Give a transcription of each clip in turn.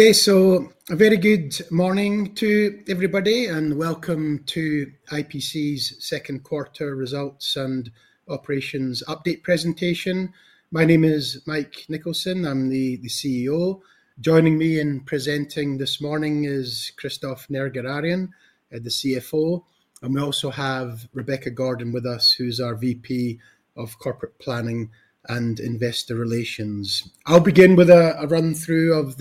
A very good morning to everybody, and welcome to IPC's second quarter results and operations update presentation. My name is Mike Nicholson. I'm the CEO. Joining me in presenting this morning is Christophe Nerguararian, the CFO, and we also have Rebecca Gordon with us, who's our VP of Corporate Planning and Investor Relations. I'll begin with a run-through of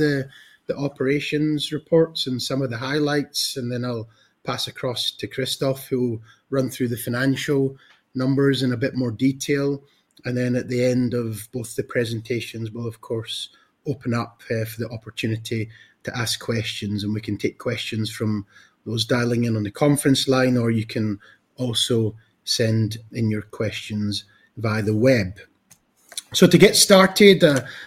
the operations reports and some of the highlights, and then I'll pass across to Christophe, who will run through the financial numbers in a bit more detail. At the end of both the presentations, we'll of course, open up for the opportunity to ask questions, and we can take questions from those dialing in on the conference line, or you can also send in your questions via the web. To get started,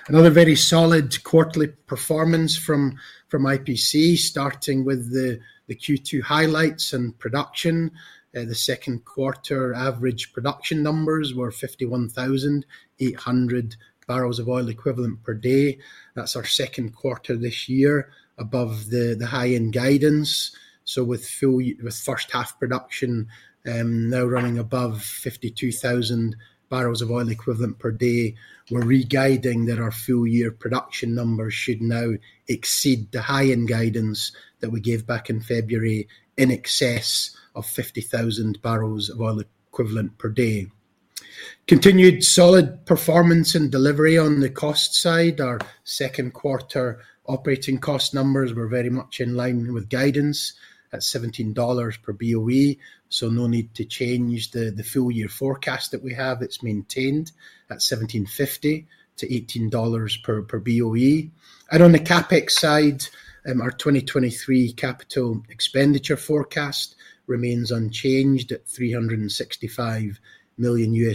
another very solid quarterly performance from IPC, starting with the Q2 highlights and production. The second quarter average production numbers were 51,800 barrels of oil equivalent per day. That's our second quarter this year above the high-end guidance. With first half production now running above 52,000 barrels of oil equivalent per day, we're re-guiding that our full-year production numbers should now exceed the high-end guidance that we gave back in February, in excess of 50,000 barrels of oil equivalent per day. Continued solid performance and delivery on the cost side. Our second quarter operating cost numbers were very much in line with guidance at $17 per BOE, no need to change the full-year forecast that we have. It's maintained at $17.50-$18 per BOE. On the CapEx side, our 2023 capital expenditure forecast remains unchanged at $365 million.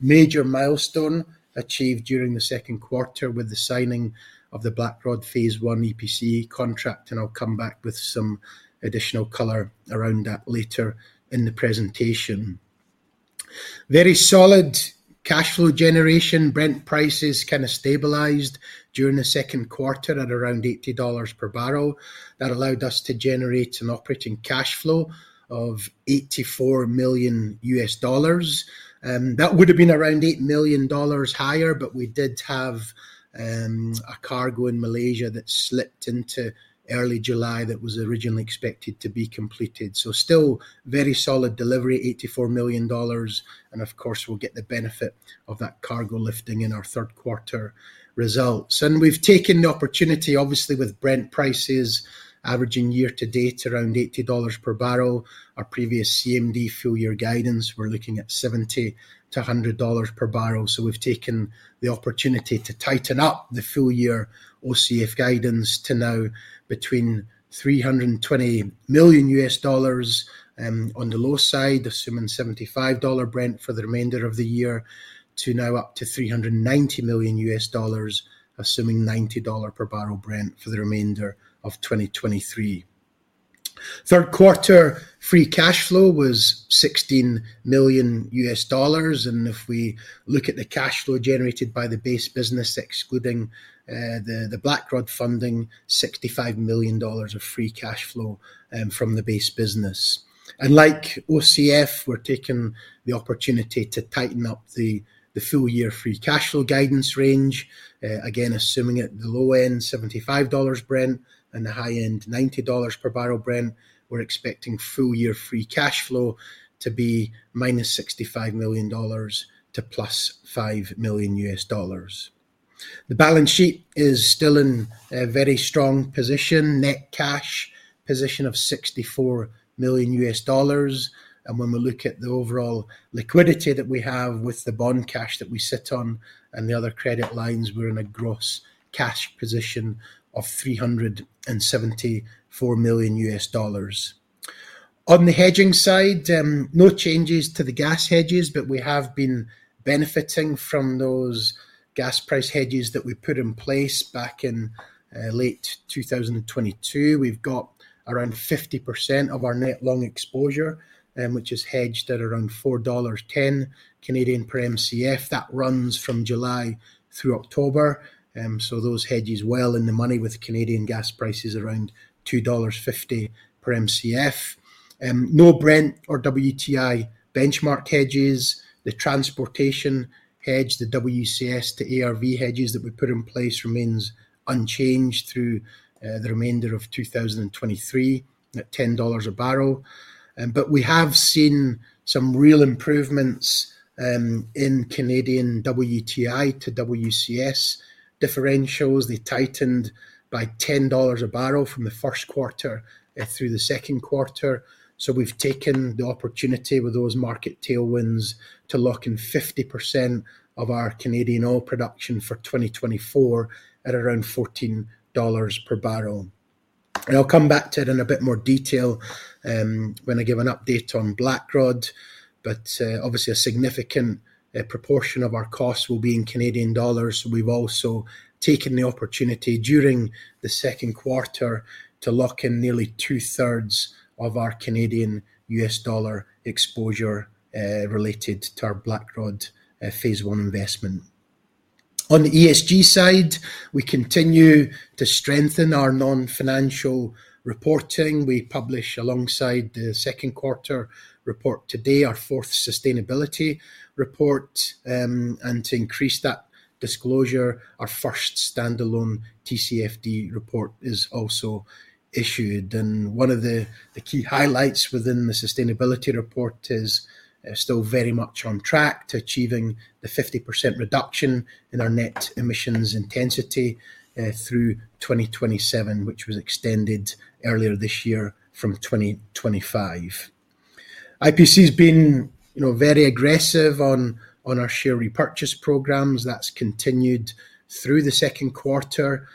Major milestone achieved during the second quarter with the signing of the Blackrod Phase One EPC contract, and I'll come back with some additional color around that later in the presentation. Very solid cash flow generation. Brent prices kind of stabilized during the second quarter at around $80 per barrel. That allowed us to generate an operating cash flow of $84 million. That would have been around $8 million higher, but we did have a cargo in Malaysia that slipped into early July that was originally expected to be completed. Still very solid delivery, $84 million, and of course, we'll get the benefit of that cargo lifting in our third quarter results. We've taken the opportunity, obviously, with Brent prices averaging year to date around $80 per barrel. Our previous CMD full-year guidance, we're looking at $70-$100 per barrel. We've taken the opportunity to tighten up the full-year OCF guidance to now between $320 million on the low side, assuming $75 Brent for the remainder of the year, to now up to $390 million, assuming $90 per barrel Brent for the remainder of 2023. Third quarter free cash flow was $16 million. If we look at the cash flow generated by the base business, excluding the Blackrod funding, $65 million of free cash flow from the base business. Like OCF, we're taking the opportunity to tighten up the full-year free cash flow guidance range. Again, assuming at the low end, $75 Brent, and the high end, $90 per barrel Brent, we're expecting full-year free cash flow to be -$65 million to +$5 million. The balance sheet is still in a very strong position. Net cash position of $64 million. When we look at the overall liquidity that we have with the bond cash that we sit on and the other credit lines, we're in a gross cash position of $374 million. On the hedging side, no changes to the gas hedges, but we have been benefiting from those gas price hedges that we put in place back in late 2022. We've got around 50% of our net long exposure, which is hedged at around 4.10 Canadian dollars per Mcf. That runs from July through October, so those hedges well in the money with Canadian gas prices around 2.50 dollars per Mcf. No Brent or WTI benchmark hedges. The transportation hedge, the WCS to Argus hedges that we put in place, remains unchanged through the remainder of 2023 at 10 dollars a barrel. We have seen some real improvements in Canadian WTI to WCS differentials. They tightened by 10 dollars a barrel from the first quarter through the second quarter. We've taken the opportunity with those market tailwinds to lock in 50% of our Canadian oil production for 2024 at around 14 dollars per barrel. I'll come back to it in a bit more detail, when I give an update on Blackrod, obviously a significant proportion of our costs will be in Canadian dollars. We've also taken the opportunity during the second quarter to lock in nearly two-thirds of our Canadian U.S. dollar exposure, related to our Blackrod Phase 1 investment. On the ESG side, we continue to strengthen our non-financial reporting. We publish alongside the second quarter report today, our fourth sustainability report. To increase that disclosure, our first standalone TCFD report is also issued. One of the key highlights within the sustainability report is still very much on track to achieving the 50% reduction in our net emissions intensity, through 2027, which was extended earlier this year from 2025. IPC has been, you know, very aggressive on our share repurchase programs. That's continued through the second quarter.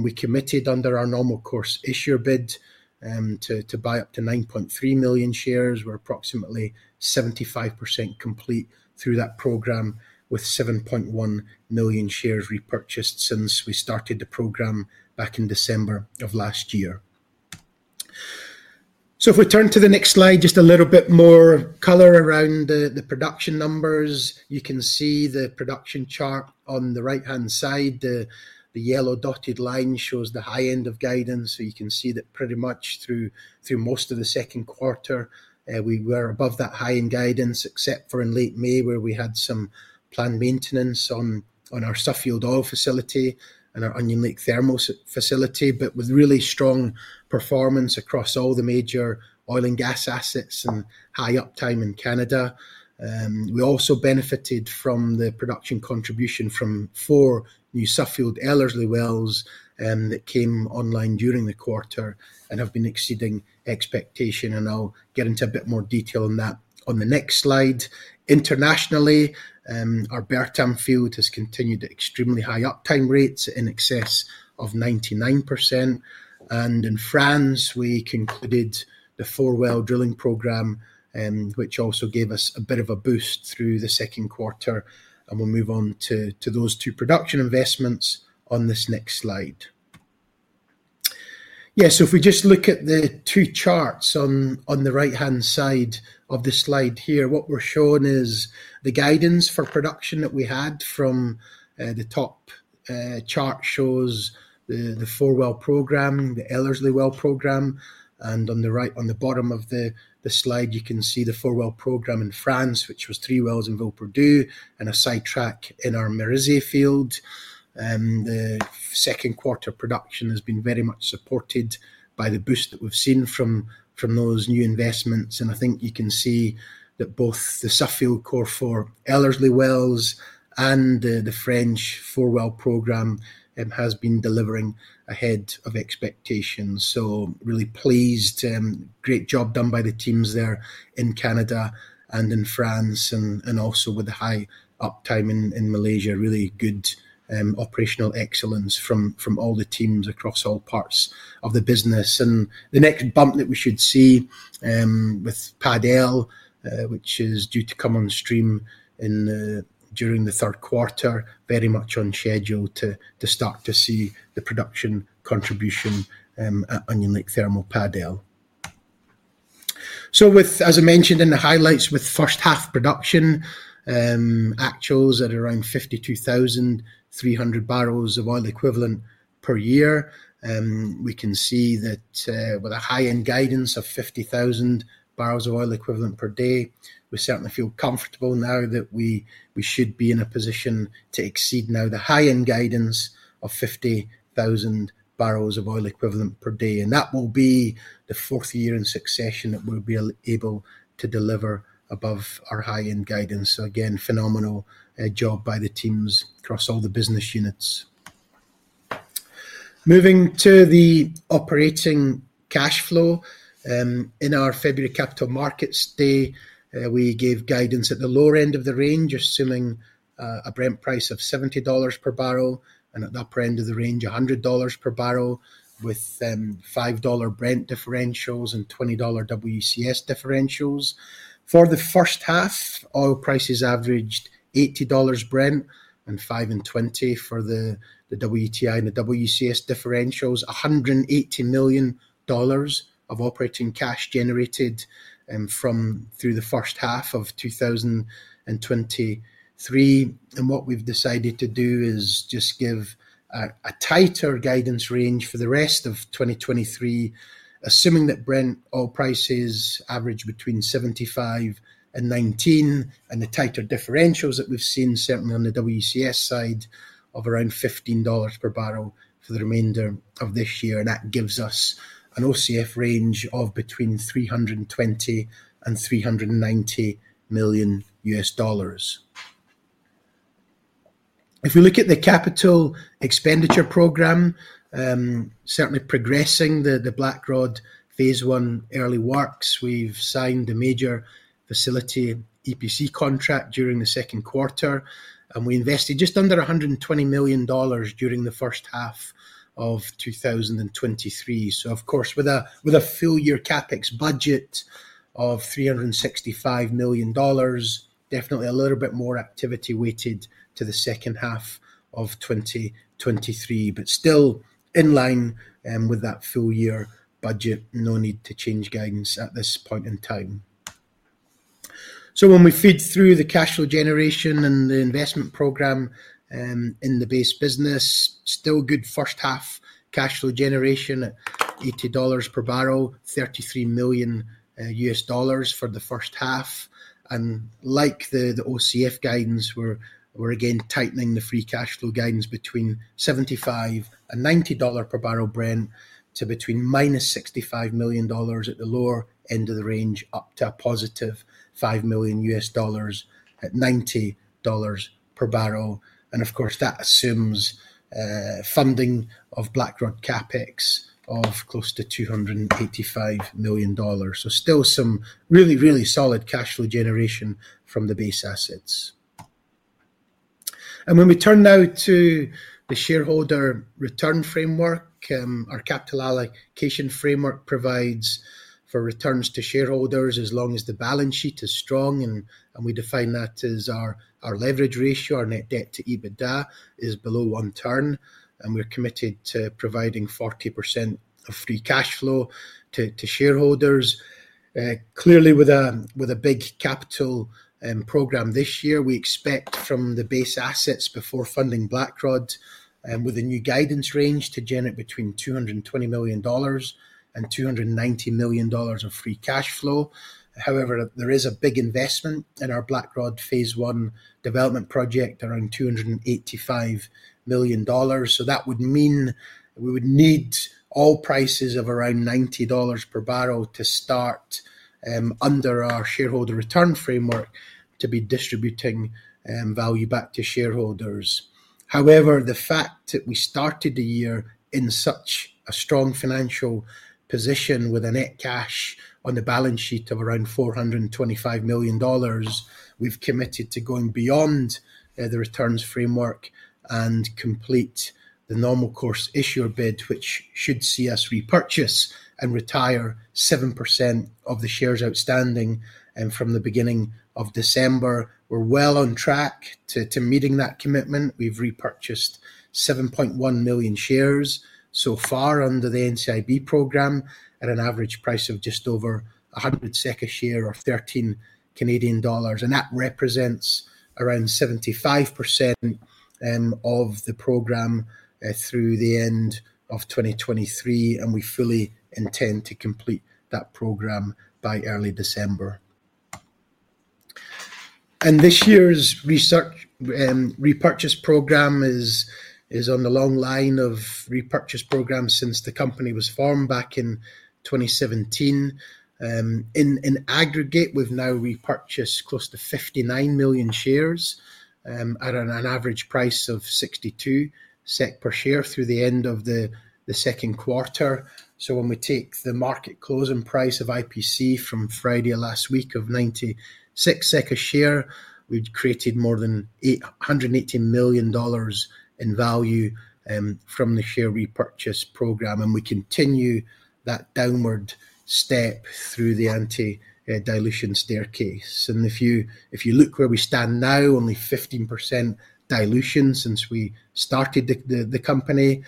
We committed under our normal course issuer bid to buy up to 9.3 million shares. We're approximately 75% complete through that program, with 7.1 million shares repurchased since we started the program back in December of last year. If we turn to the next slide, just a little bit more color around the production numbers. You can see the production chart on the right-hand side. The yellow dotted line shows the high end of guidance. You can see that pretty much through, through most of the second quarter, we were above that high-end guidance, except for in late May, where we had some planned maintenance on our Suffield Oil facility and our Onion Lake Thermal facility, but with really strong performance across all the major oil and gas assets and high uptime in Canada. We also benefited from the production contribution from four new Suffield Ellerslie wells that came online during the quarter and have been exceeding expectation, and I'll get into a bit more detail on that on the next slide. Internationally, our Bertam field has continued extremely high uptime rates in excess of 99%. In France, we concluded the four-well drilling program, which also gave us a bit of a boost through the second quarter, and we'll move on to those two production investments on this next slide. If we just look at the 2 charts on the right-hand side of the slide here, what we're showing is the guidance for production that we had from the top. Chart shows the four-well program, the Ellerslie well program. On the bottom of the slide, you can see the four-well program in France, which was three wells in Villeperdue and a sidetrack in our Merisier field. The second quarter production has been very much supported by the boost that we've seen from those new investments. I think you can see that both the Suffield Cor4 Ellerslie wells and the French four-well program has been delivering ahead of expectations. Really pleased. Great job done by the teams there in Canada and in France and also with the high uptime in Malaysia. Really good operational excellence from all the teams across all parts of the business. The next bump that we should see with Pad L, which is due to come on stream during the third quarter, very much on schedule to start to see the production contribution at Onion Lake Thermal Pad L. With, as I mentioned in the highlights, with first half production, actuals at around 52,300 barrels of oil equivalent per year, we can see that, with a high-end guidance of 50,000 barrels of oil equivalent per day, we certainly feel comfortable now that we, we should be in a position to exceed now the high-end guidance of 50,000 barrels of oil equivalent per day. That will be the fourth year in succession that we'll be able to deliver above our high-end guidance. Again, phenomenal job by the teams across all the business units. Moving to the operating cash flow. In our February Capital Markets Day, we gave guidance at the lower end of the range, assuming a Brent price of $70 per barrel, and at the upper end of the range, $100 per barrel, with $5 Brent differentials and $20 WCS differentials. For the first half, oil prices averaged $80 Brent and five and 20 for the WTI and the WCS differentials. $180 million of operating cash generated from through the first half of 2023. What we've decided to do is just give a tighter guidance range for the rest of 2023, assuming that Brent oil prices average between $75 and $19, and the tighter differentials that we've seen, certainly on the WCS side of around $15 per barrel for the remainder of this year. That gives us an OCF range of between $320 million and $390 million. If we look at the CapEx program, certainly progressing the Blackrod Phase 1 early works. We've signed a major facility EPC contract during the second quarter, and we invested just under $120 million during the first half of 2023. Of course, with a full-year CapEx budget of $365 million, definitely a little bit more activity weighted to the second half of 2023, but still in line with that full-year budget. No need to change guidance at this point in time. When we feed through the cash flow generation and the investment program, in the base business, still good first half cash flow generation at $80 per barrel, $33 million for the first half. Like the, the OCF guidance, we're, we're again tightening the free cash flow guidance between $75 and $90 per barrel Brent to between -$65 million at the lower end of the range, up to a positive $5 million at $90 per barrel. Of course, that assumes funding of Blackrod CapEx of close to $285 million. Still some really, really solid cash flow generation from the base assets. When we turn now to the shareholder return framework, our capital allocation framework provides for returns to shareholders as long as the balance sheet is strong, and we define that as our leverage ratio. Our net debt to EBITDA is below one turn, and we're committed to providing 40% of free cash flow to shareholders. Clearly, with a big capital program this year, we expect from the base assets before funding Blackrod, with the new guidance range to generate between $220 million and $290 million of free cash flow. However, there is a big investment in our Blackrod Phase 1 development project, around $285 million. That would mean we would need oil prices of around $90 per barrel to start, under our shareholder return framework, to be distributing, value back to shareholders. However, the fact that we started the year in such a strong financial position with a net cash on the balance sheet of around $425 million, we've committed to going beyond, the returns framework and complete the Normal Course Issuer Bid, which should see us repurchase and retire 7% of the shares outstanding. From the beginning of December, we're well on track to meeting that commitment. We've repurchased 7.1 million shares so far under the NCIB program, at an average price of just over 100 SEK a share or 13 Canadian dollars. That represents around 75% of the program through the end of 2023, and we fully intend to complete that program by early December. This year's research repurchase program is, is on the long line of repurchase programs since the company was formed back in 2017. In, in aggregate, we've now repurchased close to 59 million shares at an average price of 62 SEK per share through the end of the second quarter. When we take the market closing price of IPC from Friday last week of 96 SEK a share, we'd created more than $118 million in value from the share repurchase program. We continue that downward step through the anti-dilution staircase. If you, if you look where we stand now, only 15% dilution since we started the company,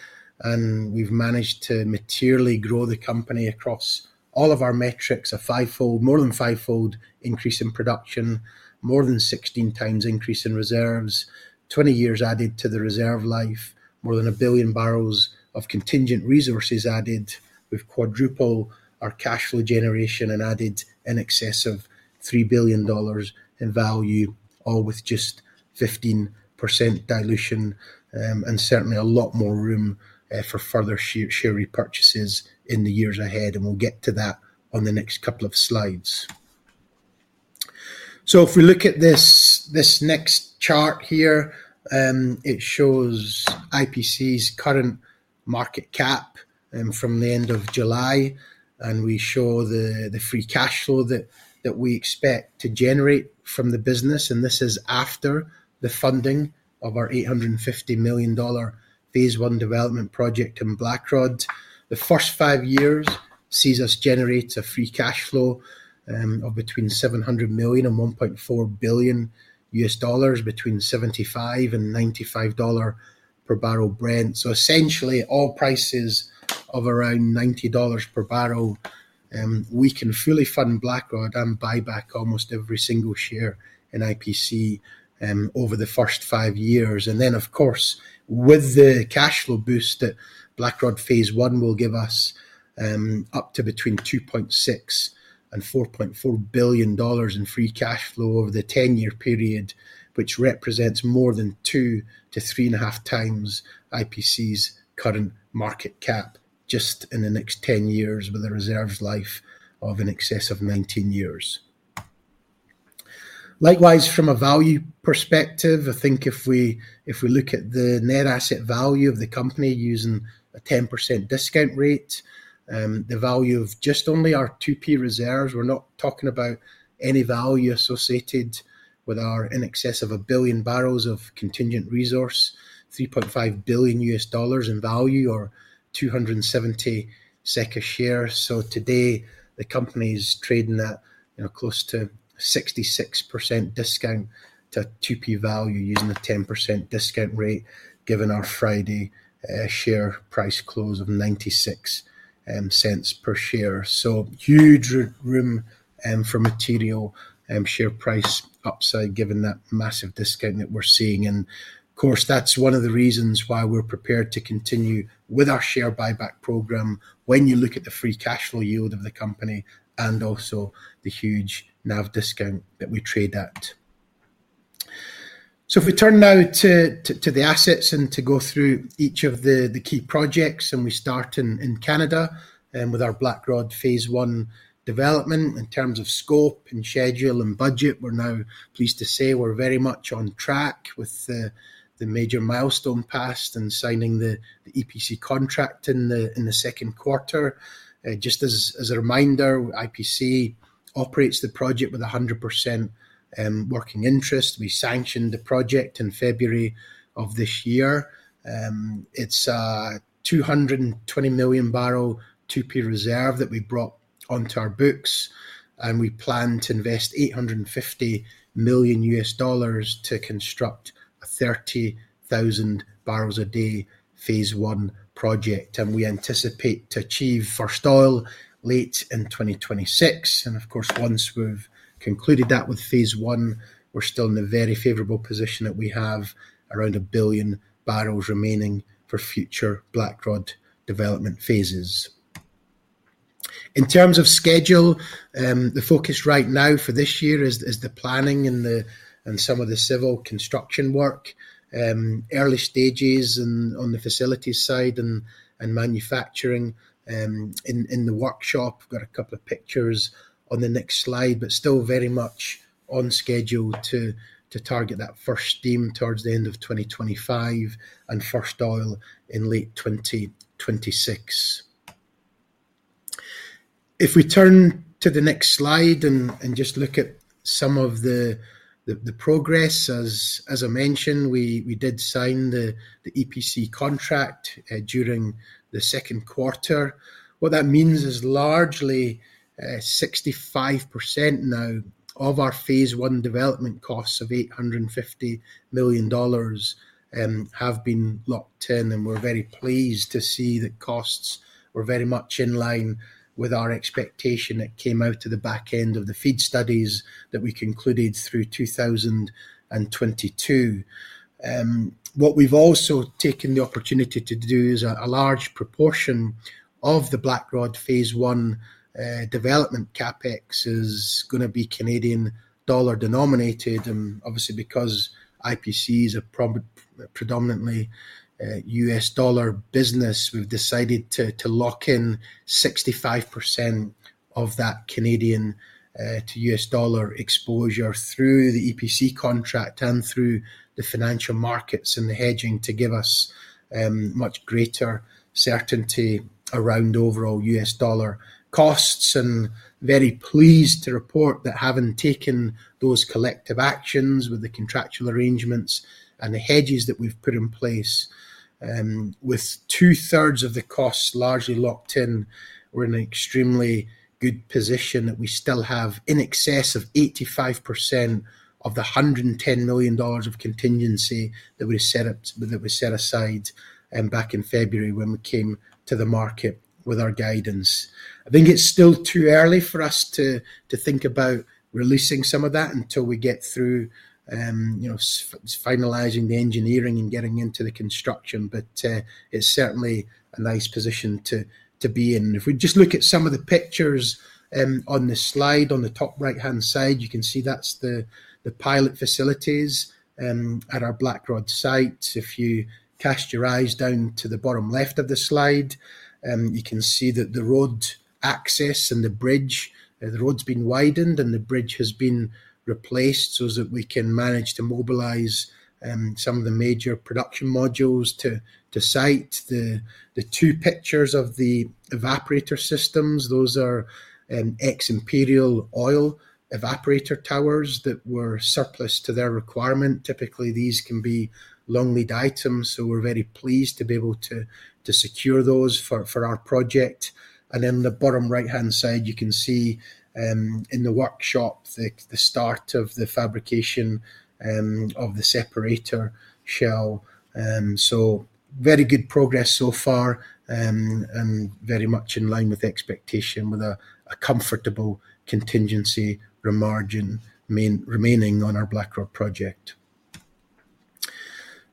and we've managed to materially grow the company across all of our metrics. A fivefold, more than fivefold increase in production, more than 16 times increase in reserves, 20 years added to the reserve life, more than 1 billion barrels of contingent resources added. We've quadrupled our cash flow generation and added in excess of $3 billion in value, all with just 15% dilution, and certainly a lot more room for further share, share repurchases in the years ahead, and we'll get to that on the next couple of slides. If we look at this, this next chart here, it shows IPC's current market cap from the end of July, and we show the, the free cash flow that, that we expect to generate from the business, and this is after the funding of our $850 million Phase 1 development project in Blackrod. The first five years sees us generate a free cash flow of between $700 million and $1.4 billion US dollars, between $75 and $95 per barrel Brent. Essentially, oil prices of around $90 per barrel, we can fully fund Blackrod and buy back almost every single share in IPC over the first five years. Of course, with the cash flow boost that Blackrod Phase 1 will give us, up to between $2.6 billion and $4.4 billion in free cash flow over the 10-year period, which represents more than 2 to 3.5 times IPC's current market cap, just in the next 10 years, with a reserves life of in excess of 19 years. Likewise, from a value perspective, I think if we, if we look at the net asset value of the company using a 10% discount rate, the value of just only our 2P reserves, we're not talking about any value associated with our in excess of 1 billion barrels of contingent resource, $3.5 billion in value or 270 SEK a share. Today, the company's trading at, you know, close to 66% discount to 2P value, using the 10% discount rate, given our Friday share price close of 0.96 per share. Huge room for material share price upside, given that massive discount that we're seeing. Of course, that's one of the reasons why we're prepared to continue with our share buyback program when you look at the free cash flow yield of the company and also the huge NAV discount that we trade at. If we turn now to the assets and to go through each of the key projects, we start in Canada with our Blackrod Phase 1 development. In terms of scope and schedule and budget, we're now pleased to say we're very much on track with the, the major milestone passed and signing the, the EPC contract in the, in the second quarter. Just as, as a reminder, IPC operates the project with a 100% working interest. We sanctioned the project in February of this year. It's a 220 million barrel 2P reserve that we brought onto our books, and we plan to invest $850 million to construct a 30,000 barrels a day Phase 1 project. We anticipate to achieve first oil late in 2026. Of course, once we've concluded that with Phase 1, we're still in the very favorable position that we have around 1 billion barrels remaining for future Blackrod development phases. In terms of schedule, the focus right now for this year is, is the planning and the and some of the civil construction work. Early stages and on the facilities side and manufacturing, in the workshop. Got a couple of pictures on the next slide, but still very much on schedule to, to target that first steam towards the end of 2025 and first oil in late 2026. If we turn to the next slide and just look at some of the progress. As, as I mentioned, we, we did sign the EPC contract, during the second quarter. What that means is largely 65% now of our Phase 1 development costs of $850 million have been locked in, and we're very pleased to see that costs were very much in line with our expectation that came out of the back end of the FEED studies that we concluded through 2022. What we've also taken the opportunity to do is a large proportion of the Blackrod Phase 1 development CapEx is gonna be Canadian dollar denominated. Obviously, because IPC is a predominantly a US dollar business, we've decided to lock in 65% of that Canadian to US dollar exposure through the EPC contract and through the financial markets and the hedging to give us much greater certainty around overall US dollar costs. Very pleased to report that having taken those collective actions with the contractual arrangements and the hedges that we've put in place, with two-thirds of the costs largely locked in, we're in an extremely good position that we still have in excess of 85% of the $110 million of contingency that we set aside, back in February when we came to the market with our guidance. I think it's still too early for us to, to think about releasing some of that until we get through, you know, finalizing the engineering and getting into the construction, but it's certainly a nice position to, to be in. If we just look at some of the pictures on the slide. On the top right-hand side, you can see that's the, the pilot facilities at our Blackrod site. If you cast your eyes down to the bottom left of the slide, you can see that the road access and the bridge, the road's been widened, and the bridge has been replaced so that we can manage to mobilize some of the major production modules to, to site. The, the two pictures of the evaporator systems, those are ex-Imperial Oil evaporator towers that were surplus to their requirement. Typically, these can be long-lead items, so we're very pleased to be able to, to secure those for, for our project. In the bottom right-hand side, you can see in the workshop, the, the start of the fabrication of the separator shell. Very good progress so far, and very much in line with expectation, with a comfortable contingency remaining on our Blackrod project.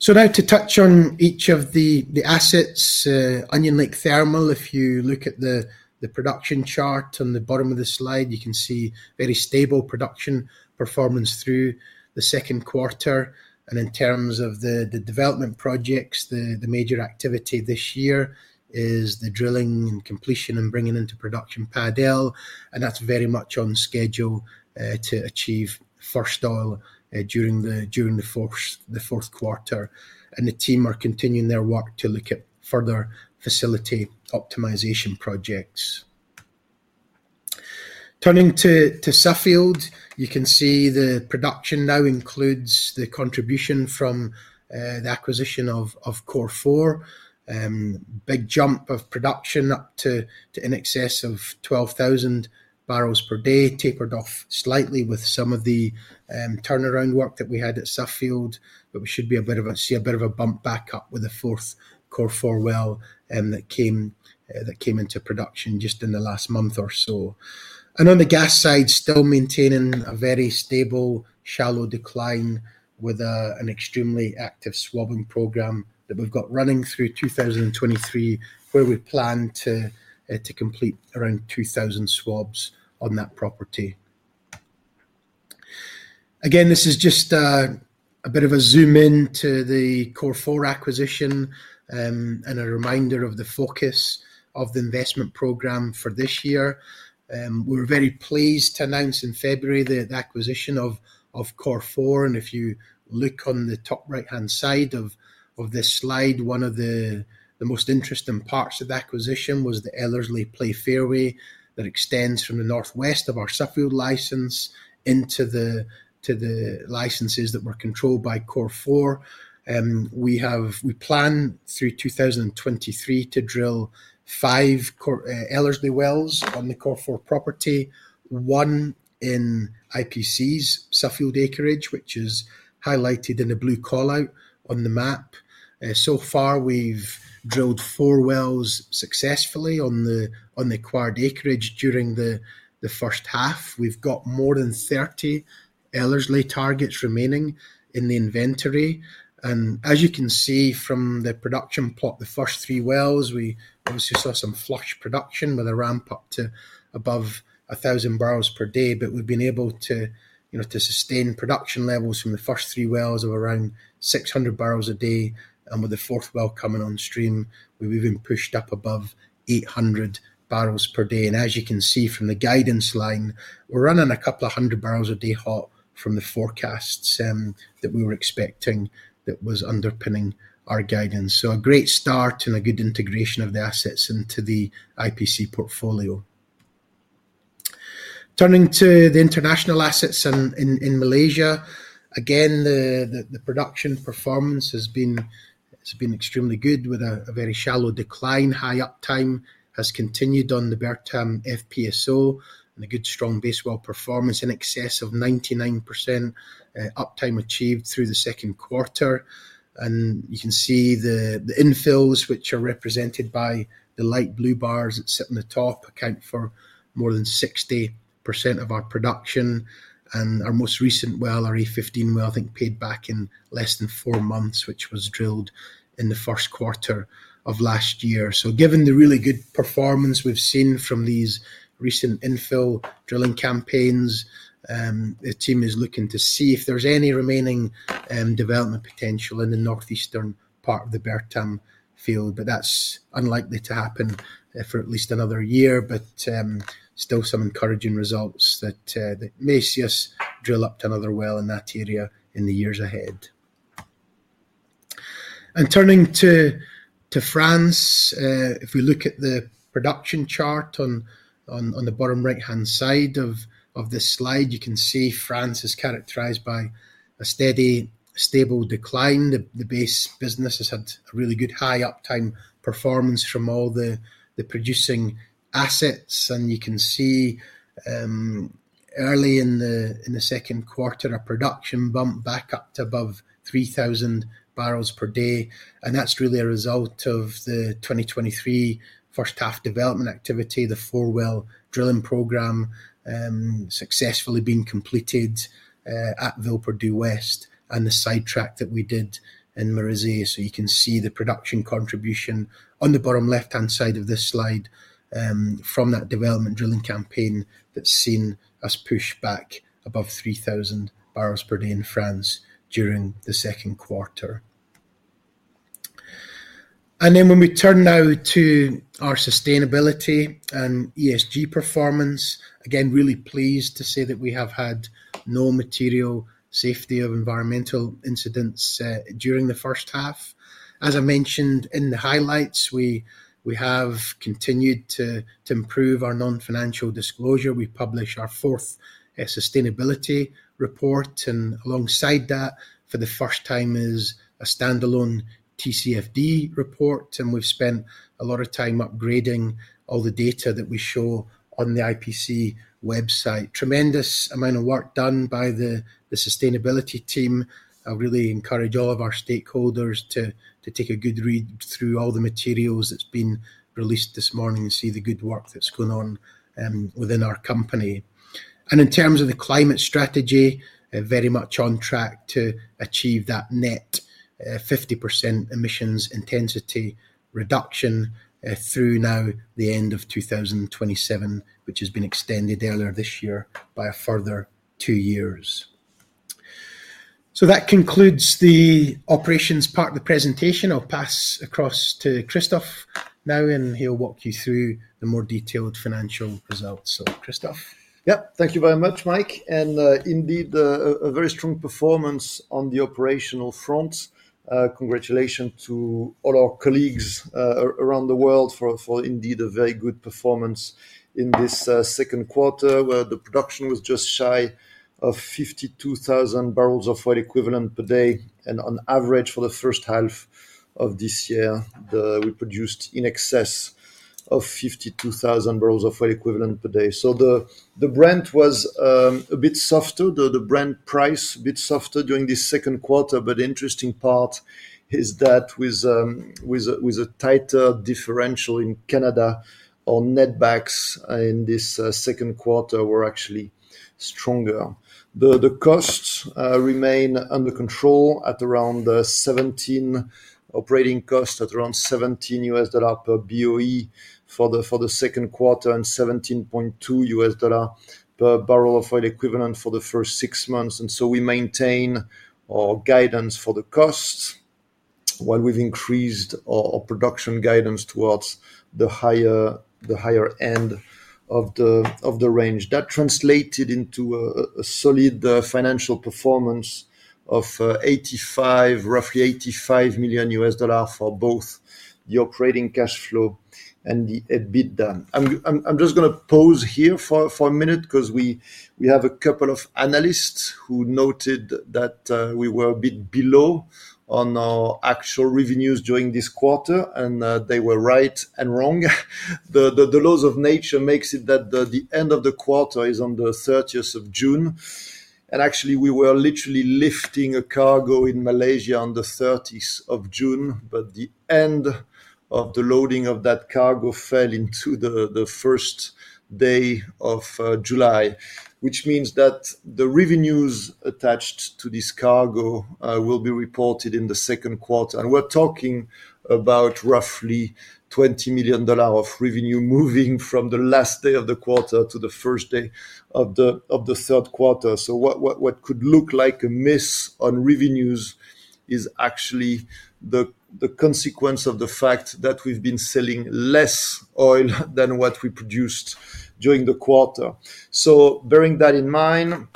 Now to touch on each of the assets. Onion Lake Thermal, if you look at the production chart on the bottom of the slide, you can see very stable production performance through the second quarter. In terms of the development projects, the major activity this year is the drilling and completion and bringing into production Pad L, and that's very much on schedule to achieve first oil during the fourth quarter. The team are continuing their work to look at further facility optimization projects. Turning to Suffield, you can see the production now includes the contribution from the acquisition of Cor4. Big jump of production up to, to in excess of 12,000 barrels per day, tapered off slightly with some of the turnaround work that we had at Suffield, we should be a bit of a see a bit of a bump back up with the 4th Core Four well that came into production just in the last month or so. On the gas side, still maintaining a very stable, shallow decline with an extremely active swabbing program that we've got running through 2023, where we plan to complete around 2,000 swabs on that property. Again, this is just a bit of a zoom in to the Core Four acquisition and a reminder of the focus of the investment program for this year. We're very pleased to announce in February the acquisition of Cor4, and if you look on the top right-hand side of this slide, one of the most interesting parts of the acquisition was the Ellerslie Play fairway that extends from the northwest of our Suffield license into the licenses that were controlled by Cor4. We plan through 2023 to drill five Core Ellerslie wells on the Cor4 property, one in IPC's Suffield acreage, which is highlighted in the blue call-out on the map. So far, we've drilled four wells successfully on the acquired acreage during the first half. We've got more than 30 Ellerslie targets remaining in the inventory. As you can see from the production plot, the first three wells, we obviously saw some flush production with a ramp up to above 1,000 barrels per day, but we've been able to, you know, to sustain production levels from the first three wells of around 600 barrels a day. With the fourth well coming on stream, we've even pushed up above 800 barrels per day. As you can see from the guidance line, we're running a couple of hundred barrels a day hot from the forecasts that we were expecting that was underpinning our guidance. A great start and a good integration of the assets into the IPC portfolio. Turning to the international assets in Malaysia, again, the production performance has been. It's been extremely good with a very shallow decline. High uptime has continued on the Bertam FPSO, and a good strong base well performance in excess of 99% uptime achieved through the second quarter. You can see the infills, which are represented by the light blue bars that sit on the top, account for more than 60% of our production. Our most recent well, our A15 well, I think, paid back in less than four months, which was drilled in the first quarter of last year. Given the really good performance we've seen from these recent infill drilling campaigns, the team is looking to see if there's any remaining development potential in the northeastern part of the Bertam field. That's unlikely to happen for at least another year. Still some encouraging results that may see us drill up to another well in that area in the years ahead. Turning to France, if we look at the production chart on the bottom right-hand side of this slide, you can see France is characterized by a steady, stable decline. The base business has had a really good high uptime performance from all the producing assets. You can see, early in the second quarter, our production bumped back up to above 3,000 barrels per day, and that's really a result of the 2023 first half development activity, the four-well drilling program successfully being completed at Villeperdue West and the sidetrack that we did in Merisier. You can see the production contribution on the bottom left-hand side of this slide, from that development drilling campaign that's seen us push back above 3,000 barrels per day in France during the second quarter. When we turn now to our sustainability and ESG performance, again, really pleased to say that we have had no material safety or environmental incidents, during the first half. As I mentioned in the highlights, we, we have continued to, to improve our non-financial disclosure. We published our fourth sustainability report, and alongside that, for the first time, is a standalone TCFD report. We've spent a lot of time upgrading all the data that we show on the IPC website. Tremendous amount of work done by the, the sustainability team. I really encourage all of our stakeholders to take a good read through all the materials that's been released this morning and see the good work that's going on within our company. In terms of the climate strategy, very much on track to achieve that net 50% emissions intensity reduction through now the end of 2027, which has been extended earlier this year by a further two years. That concludes the operations part of the presentation. I'll pass across to Christophe now, and he'll walk you through the more detailed financial results. Christophe? Yeah. Thank you very much, Mike. Indeed, a very strong performance on the operational front. Congratulations to all our colleagues around the world for indeed a very good performance in this second quarter, where the production was just shy of 52,000 barrels of oil equivalent per day. On average, for the first half of this year, we produced in excess of 52,000 barrels of oil equivalent per day. The Brent was a bit softer. The Brent price a bit softer during this second quarter, but the interesting part is that with a tighter differential in Canada, our net backs in this second quarter were actually stronger. The costs remain under control at around 17 operating costs at around $17 per BOE for the second quarter, and $17.2 per barrel of oil equivalent for the first si months. We maintain our guidance for the costs while we've increased our production guidance towards the higher, the higher end of the range. That translated into a solid financial performance of roughly $85 million for both the operating cash flow and the EBITDA. I'm just gonna pause here for a minute 'cause we have a couple of analysts who noted that we were a bit below on our actual revenues during this quarter, and they were right and wrong. The, the, the laws of nature makes it that the, the end of the quarter is on the 30th of June, and actually, we were literally lifting a cargo in Malaysia on the 30th of June. The end of the loading of that cargo fell into the, the first day of July, which means that the revenues attached to this cargo will be reported in the second quarter. We're talking about roughly $20 million of revenue moving from the last day of the quarter to the first day of the, of the third quarter. What, what, what could look like a miss on revenues is actually the, the consequence of the fact that we've been selling less oil than what we produced during the quarter. Bearing that in mind,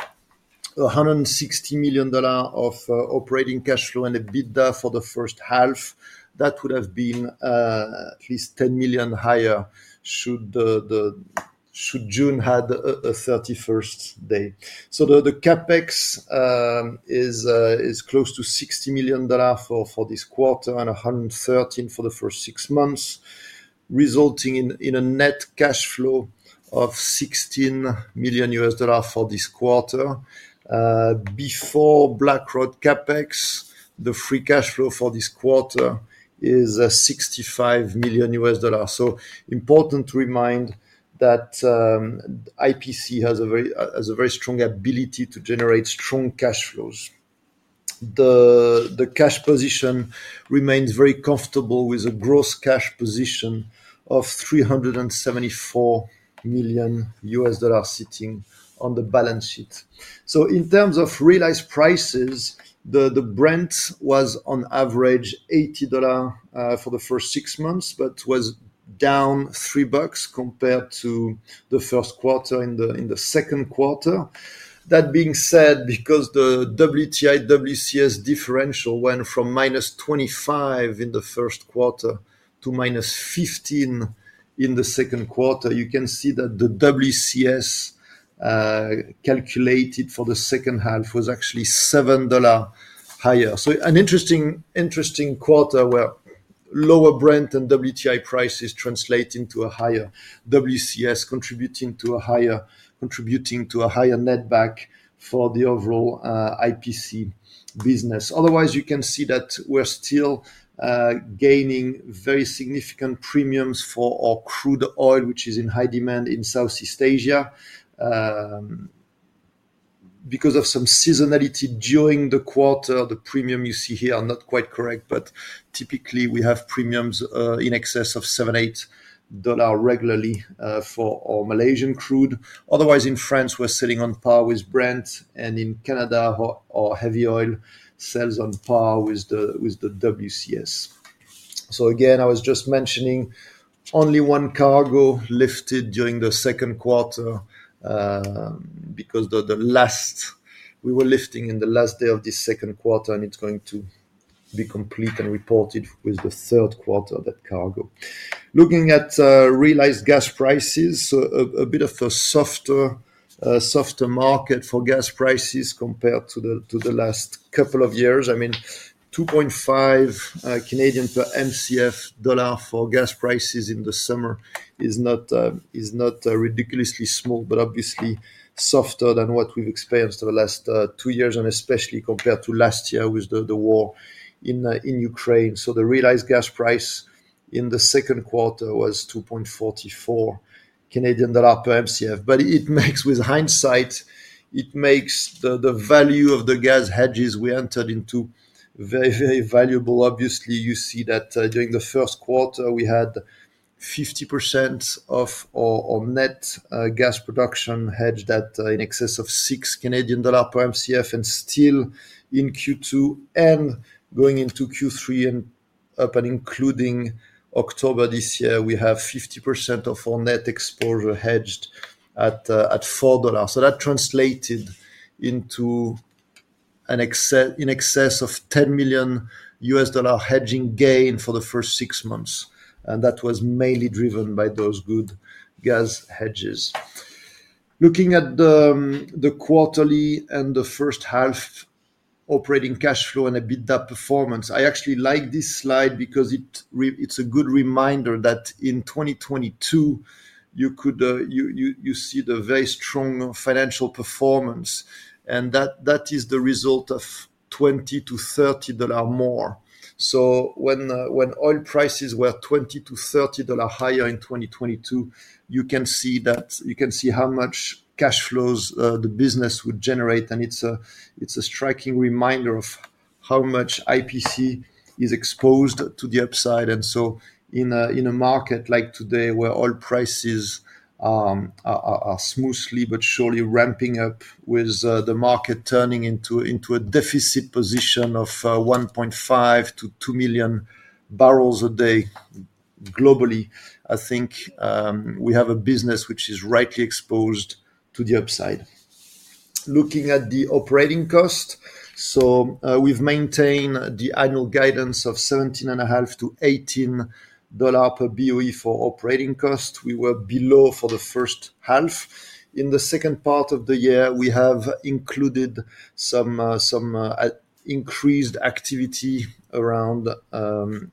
$160 million of operating cash flow and EBITDA for the first half, that would have been at least $10 million higher should June had a 31st day. The CapEx is close to $60 million for this quarter and $113 million for the first six months, resulting in a net cash flow of $16 million for this quarter. Before Blackrod CapEx, the free cash flow for this quarter is $65 million. Important to remind that IPC has a very strong ability to generate strong cash flows. The cash position remains very comfortable, with a gross cash position of $374 million sitting on the balance sheet. In terms of realized prices, the Brent was on average $80 for the first six months, but was down $3 compared to the 1st quarter in the 2nd quarter. That being said, because the WTI, WCS differential went from -$25 in the 1st quarter to -$15 in the 2nd quarter, you can see that the WCS calculated for the second half was actually $7 higher. An interesting, interesting quarter, where lower Brent and WTI prices translate into a higher WCS, contributing to a higher, contributing to a higher net back for the overall IPC business. Otherwise, you can see that we're still gaining very significant premiums for our crude oil, which is in high demand in Southeast Asia. Because of some seasonality during the quarter, the premium you see here are not quite correct, typically, we have premiums in excess of 7-8 dollars regularly for our Malaysian crude. Otherwise, in France, we're sitting on par with Brent, in Canada, our heavy oil sells on par with the WCS. Again, I was just mentioning only one cargo lifted during the second quarter, because we were lifting in the last day of the second quarter, it's going to be complete and reported with the third quarter, that cargo. Looking at realized gas prices, a bit of a softer market for gas prices compared to the last couple of years. I mean, 2.5 per Mcf for gas prices in the summer is not ridiculously small, but obviously softer than what we've experienced over the last two years, and especially compared to last year with the war in Ukraine. The realized gas price in the second quarter was 2.44 Canadian dollar per Mcf. It makes, with hindsight, it makes the value of the gas hedges we entered into very, very valuable. Obviously, you see that during the first quarter, we had 50% of our net gas production hedged at in excess of 6 Canadian dollars per Mcf, and still in Q2 and going into Q3, and up and including October this year, we have 50% of our net exposure hedged at 4 dollars. That translated into in excess of $10 million hedging gain for the first six months, and that was mainly driven by those good gas hedges. Looking at the quarterly and the first half operating cash flow and EBITDA performance, I actually like this slide because it's a good reminder that in 2022, you could, you, you, you see the very strong financial performance, and that, that is the result of $20-$30 more. When oil prices were $20-$30 higher in 2022, you can see that. You can see how much cash flows, the business would generate, and it's a, it's a striking reminder of how much IPC is exposed to the upside. In a market like today, where oil prices, are, are, are smoothly but surely ramping up with the market turning into, into a deficit position of 1.5-2 million barrels a day deficit globally, I think, we have a business which is rightly exposed to the upside. Looking at the operating cost, so we've maintained the annual guidance of $17.50-$18 per BOE for operating costs. We were below for the first half. In the second part of the year, we have included some, some increased activity around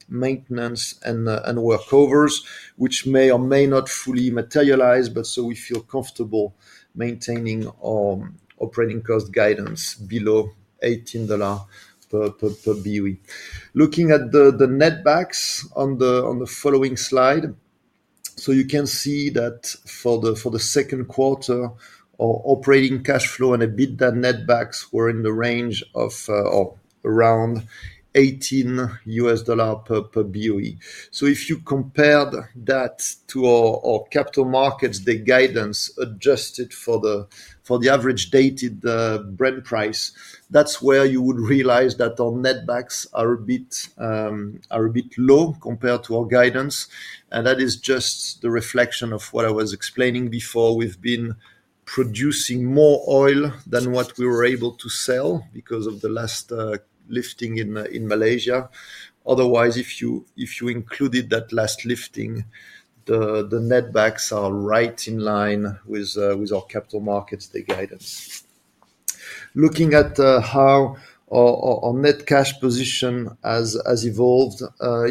maintenance and workovers, which may or may not fully materialize, but we feel comfortable maintaining our operating cost guidance below $18 per, per, per BOE. Looking at the, the netbacks on the, on the following slide, you can see that for the, for the second quarter, our operating cash flow and EBITDA netbacks were in the range of, of around $18 per BOE. If you compared that to our, our Capital Markets, the guidance adjusted for the, for the average dated Brent price, that's where you would realize that our netbacks are a bit, are a bit low compared to our guidance, and that is just the reflection of what I was explaining before. We've been producing more oil than what we were able to sell because of the last lifting in, in Malaysia. Otherwise, if you, if you included that last lifting, the, the netbacks are right in line with, with our Capital Markets, the guidance. Looking at how our net cash position has evolved,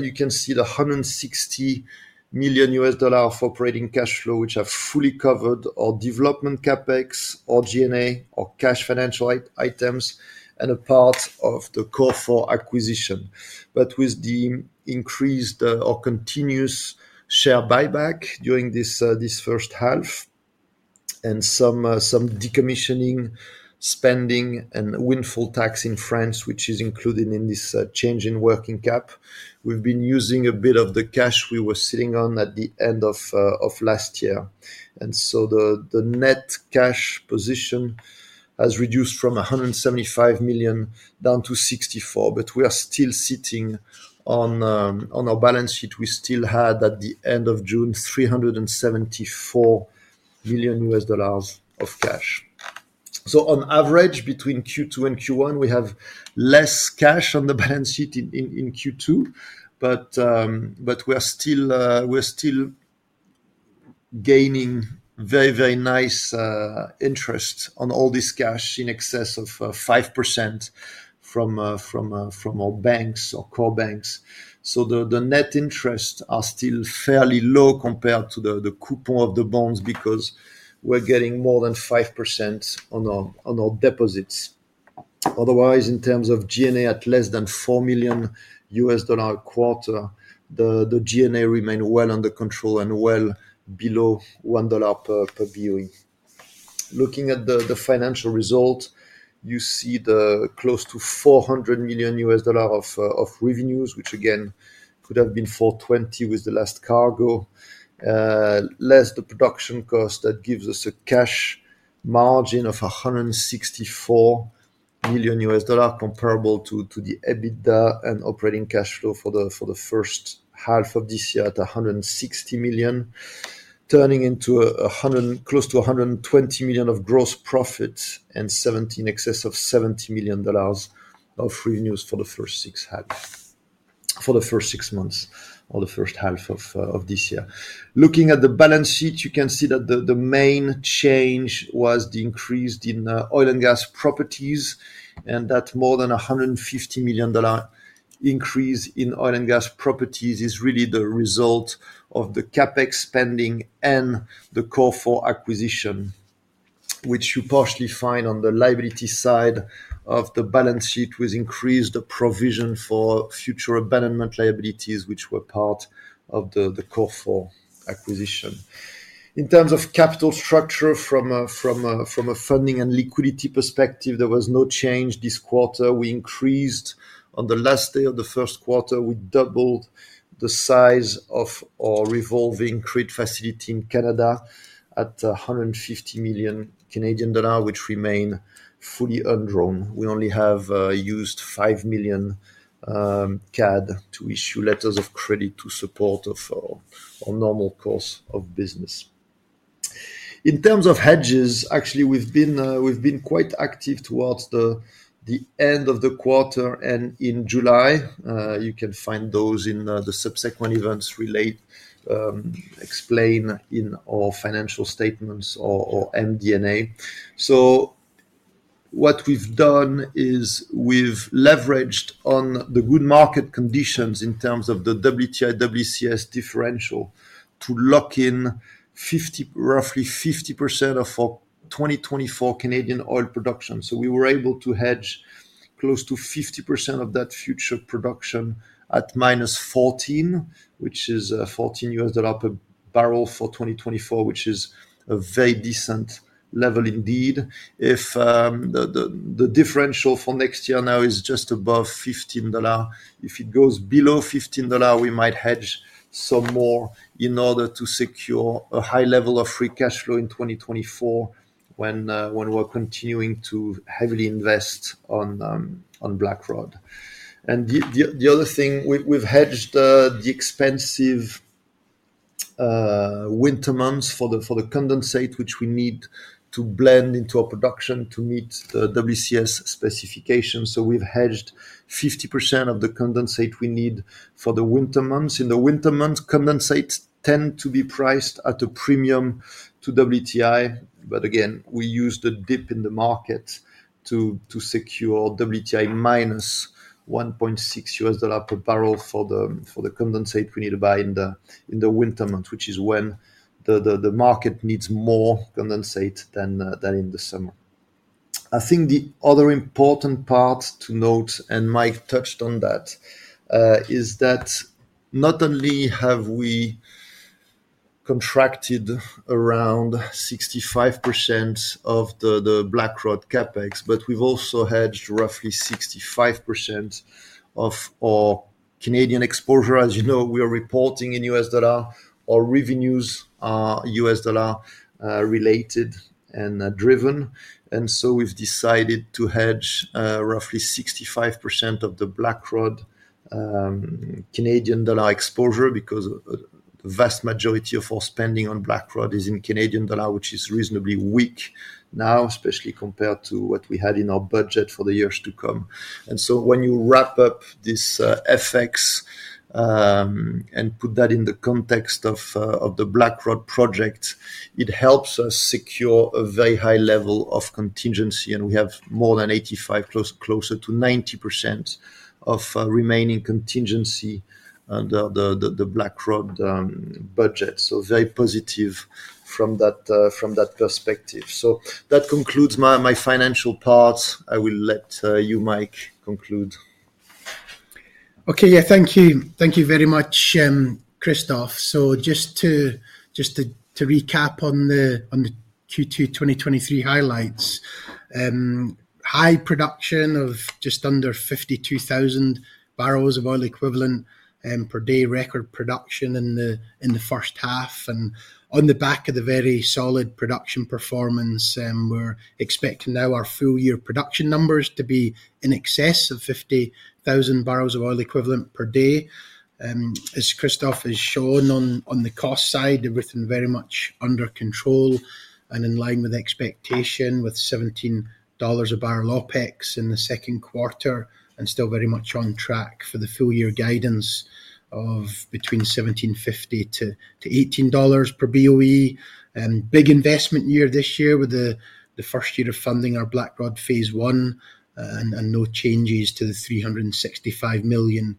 you can see the $160 million of operating cash flow, which have fully covered our development CapEx, our G&A, our cash financial items, and a part of the Cor4 Oil acquisition. With the increased or continuous share buyback during this first half, and some decommissioning, spending, and windfall tax in France, which is included in this change in working cap, we've been using a bit of the cash we were sitting on at the end of last year. The net cash position has reduced from $175 million down to $64 million, but we are still sitting on our balance sheet. We still had, at the end of June, $374 million of cash. On average, between Q2 and Q1, we have less cash on the balance sheet in, in, in Q2, but we're still, we're still gaining very, very nice interest on all this cash, in excess of 5% from from from our banks, our core banks. The net interests are still fairly low compared to the coupon of the bonds, because we're getting more than 5% on our, on our deposits. In terms of G&A, at less than $4 million a quarter, the G&A remain well under control and well below $1 per per BOE. Looking at the, the financial result, you see the close to $400 million of revenues, which again, could have been $420 million with the last cargo, less the production cost, that gives us a cash margin of $164 million, comparable to the EBITDA and operating cash flow for the, for the first half of this year at $160 million, turning into close to $120 million of gross profit and in excess of $70 million of revenues for the first six months or the first half of this year. Looking at the balance sheet, you can see that the, the main change was the increase in oil and gas properties, and that more than a $150 million increase in oil and gas properties is really the result of the CapEx spending and the Cor4 acquisition, which you partially find on the liability side of the balance sheet, with increased provision for future abandonment liabilities, which were part of the, the Cor4 acquisition. In terms of capital structure from a, from a, from a funding and liquidity perspective, there was no change this quarter. We increased on the last day of the first quarter, we doubled the size of our revolving credit facility in Canada at 150 million Canadian dollars, which remain fully undrawn. We only have used 5 million CAD to issue letters of credit to support of our normal course of business. In terms of hedges, actually, we've been quite active towards the end of the quarter and in July. You can find those in the subsequent events relate explained in our financial statements or MD&A. What we've done is we've leveraged on the good market conditions in terms of the WTI, WCS differential to lock in 50, roughly 50% of our 2024 Canadian oil production. We were able to hedge close to 50% of that future production at minus 14, which is $14 per barrel for 2024, which is a very decent level indeed. If the differential for next year now is just above $15. If it goes below $15, we might hedge some more in order to secure a high level of free cash flow in 2024 when we're continuing to heavily invest on Blackrod. The other thing, we've hedged the winter months for the condensate, which we need to blend into our production to meet the WCS specifications. We've hedged 50% of the condensate we need for the winter months. In the winter months, condensates tend to be priced at a premium to WTI, again, we use the dip in the market to secure WTI minus $1.6 per barrel for the condensate we need to buy in the winter months, which is when the market needs more condensate than in the summer. I think the other important part to note, and Mike touched on that, is that not only have we contracted around 65% of the, the Blackrod CapEx, but we've also hedged roughly 65% of our Canadian exposure. As you know, we are reporting in US dollar. Our revenues are US dollar related and driven, and so we've decided to hedge roughly 65% of the Blackrod Canadian dollar exposure because vast majority of our spending on Blackrod is in Canadian dollar, which is reasonably weak now, especially compared to what we had in our budget for the years to come. When you wrap up this FX and put that in the context of the Blackrod project, it helps us secure a very high level of contingency, and we have more than 85, closer to 90% of remaining contingency under the Blackrod budget. Very positive from that perspective. That concludes my financial part. I will let you, Mike, conclude. Okay. Yeah, thank you. Thank you very much, Christophe. Just to recap on the Q2 2023 highlights. High production of just under 52,000 barrels of oil equivalent per day, record production in the first half. On the back of the very solid production performance, we're expecting now our full year production numbers to be in excess of 50,000 barrels of oil equivalent per day. As Christophe has shown on the cost side, everything very much under control and in line with expectation, with $17 a barrel OpEx in the second quarter, and still very much on track for the full year guidance of between $17.50-$18 per BOE. Big investment year this year with the first year of funding our Blackrod Phase 1, and no changes to the $365 million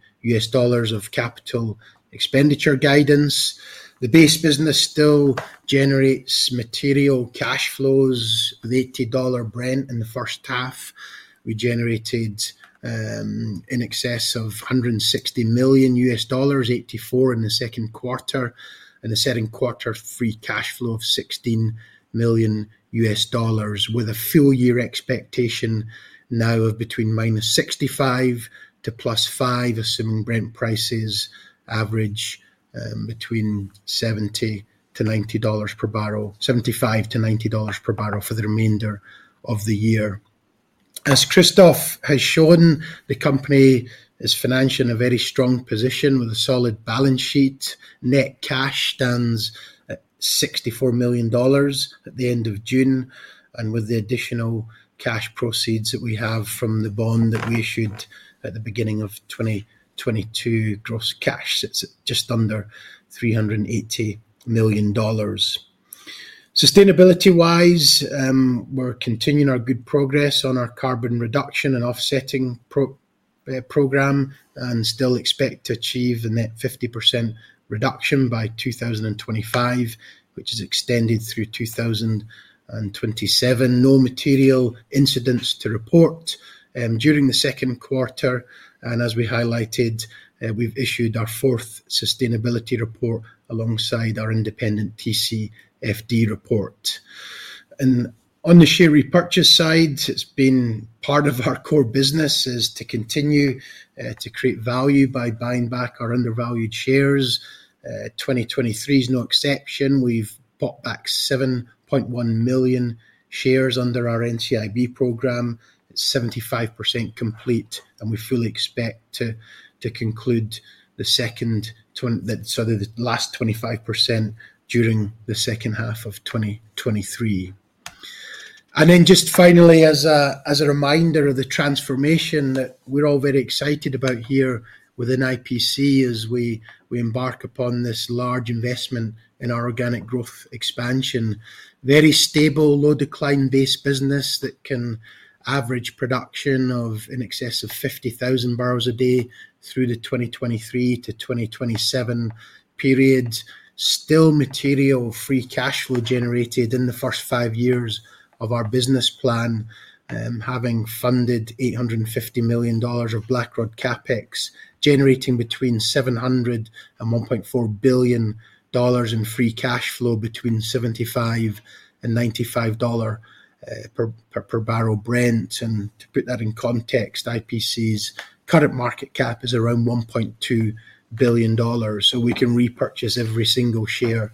of capital expenditure guidance. The base business still generates material cash flows. The $80 Brent in the first half, we generated in excess of $160 million, $84 million in the second quarter. In the second quarter, free cash flow of $16 million, with a full year expectation now of between -$65 million to +$5 million, assuming Brent prices average between $70-$90 per barrel, $75-$90 per barrel for the remainder of the year. As Christophe has shown, the company is financially in a very strong position with a solid balance sheet. Net cash stands at $64 million at the end of June. With the additional cash proceeds that we have from the bond that we issued at the beginning of 2022, gross cash sits at just under $380 million. Sustainability-wise, we're continuing our good progress on our carbon reduction and offsetting program, and still expect to achieve a net 50% reduction by 2025, which is extended through 2027. No material incidents to report during the second quarter, as we highlighted, we've issued our fourth sustainability report alongside our independent TCFD report. On the share repurchase side, it's been part of our core business is to continue to create value by buying back our undervalued shares. 2023 is no exception. We've bought back 7.1 million shares under our NCIB program. It's 75% complete, we fully expect to conclude the last 25% during the second half of 2023. Just finally, as a reminder of the transformation that we're all very excited about here within IPC as we embark upon this large investment in our organic growth expansion. Very stable, low decline base business that can average production of in excess of 50,000 barrels a day through the 2023 to 2027 period. Still material free cash flow generated in the first five years of our business plan, having funded $850 million of Blackrod CapEx, generating between $700 million and $1.4 billion in free cash flow, between $75 and $95 per, per, per barrel Brent. To put that in context, IPC's current market cap is around $1.2 billion, so we can repurchase every single share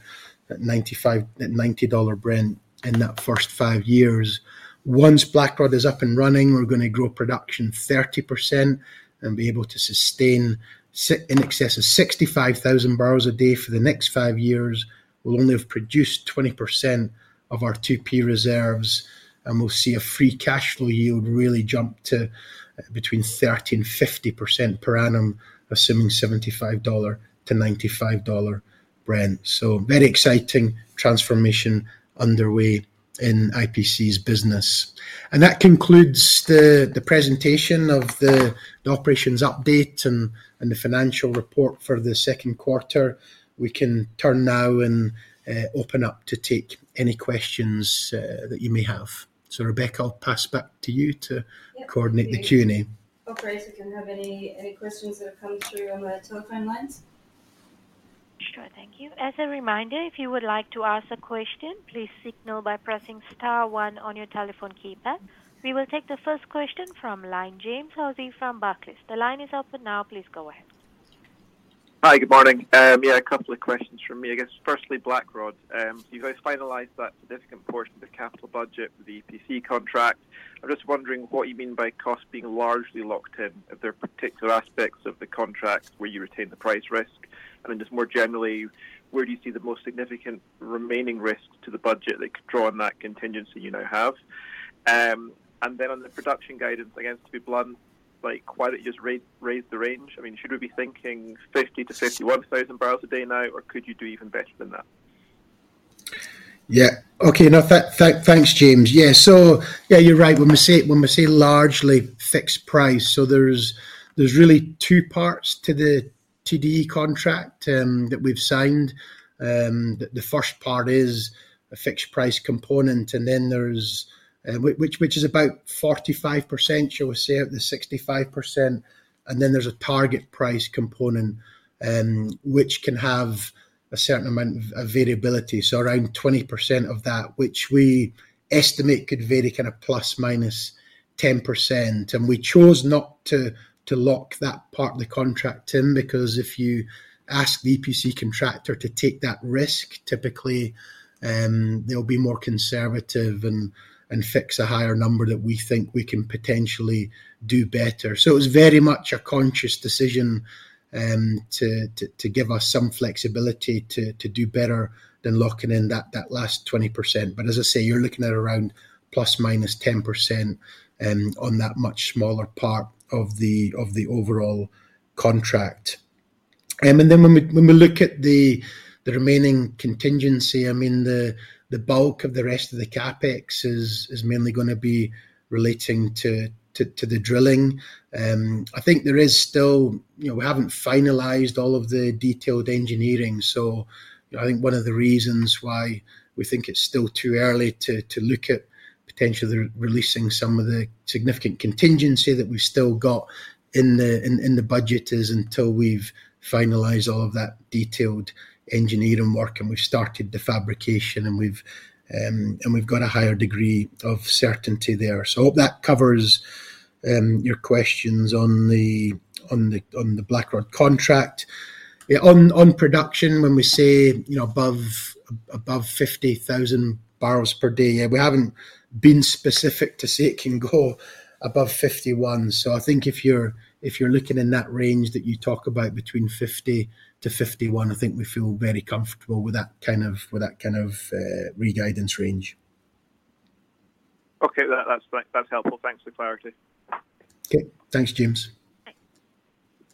at $90 Brent in that first five years. Once Blackrod is up and running, we're gonna grow production 30% and be able to sustain in excess of 65,000 barrels a day for the next five years. We'll only have produced 20% of our 2P reserves, and we'll see a free cash flow yield really jump to between 30% and 50% per annum, assuming $75-$95 Brent. Very exciting transformation underway in IPC's business. That concludes the presentation of the operations update and the financial report for the second quarter. We can turn now and open up to take any questions that you may have. Rebecca, I'll pass back to you to. Yep. coordinate the Q&A. Operator, if you have any, any questions that have come through on the telephone lines? Sure. Thank you. As a reminder, if you would like to ask a question, please signal by pressing star one on your telephone keypad. We will take the first question from line, James Hosie from Barclays. The line is open now. Please go ahead. Hi. Good morning. Yeah, a couple of questions from me. I guess, firstly, Blackrod. You guys finalized that significant portion of the capital budget for the EPC contract. I'm just wondering what you mean by cost being largely locked in. Are there particular aspects of the contract where you retain the price risk? Just more generally, where do you see the most significant remaining risk to the budget that could draw on that contingency you now have? Then on the production guidance, I guess, to be blunt, like, why did you just raise the range? I mean, should we be thinking 50,000-51,000 barrels a day now, or could you do even better than that? Yeah. Okay. No, thanks, James. Yeah, so yeah, you're right. When we say, when we say largely fixed price, so there's, there's really two parts to the TDE contract that we've signed. The, the first part is a fixed price component, which is about 45%, shall we say, of the 65%, and then there's a target price component which can have a certain amount of variability. Around 20% of that, which we estimate could vary kind of ±10%. We chose not to lock that part of the contract in, because if you ask the EPC contractor to take that risk, typically, they'll be more conservative and fix a higher number that we think we can potentially do better. It was very much a conscious decision, to give us some flexibility to do better than locking in that last 20%. As I say, you're looking at around ±10%, on that much smaller part of the overall contract. When we look at the remaining contingency, I mean, the bulk of the rest of the CapEx is mainly gonna be relating to the drilling. I think there is still. You know, we haven't finalized all of the detailed engineering. I think one of the reasons why we think it's still too early to, to look at potentially re-releasing some of the significant contingency that we've still got in the, in, in the budget, is until we've finalized all of that detailed engineering work, and we've started the fabrication, and we've, and we've got a higher degree of certainty there. I hope that covers your questions on the Blackrod contract. On production, when we say, you know, above, above 50,000 barrels per day, we haven't been specific to say it can go above 51. I think if you're, if you're looking in that range that you talk about between 50-51, I think we feel very comfortable with that kind of, with that kind of, re-guidance range. Okay. That, that's fine. That's helpful. Thanks for the clarity. Okay. Thanks, James.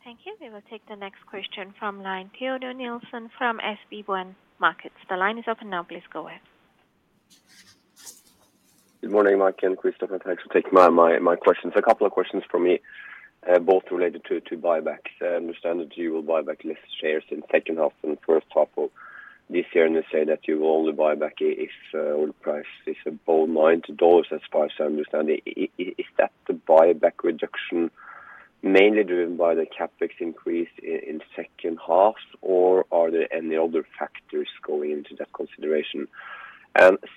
Thank you. We will take the next question from line. Teodor Sveen-Nilsen from SB1 Markets. The line is open now. Please go ahead. Good morning, Mike and Christophe. Thanks for taking my questions. A couple of questions from me, both related to buybacks. I understand that you will buy back less shares in second half than first half of this year, and you say that you will only buy back if oil price is above $90, as far as I understand. Is that the buyback reduction mainly driven by the CapEx increase in second half, or are there any other factors going into that consideration?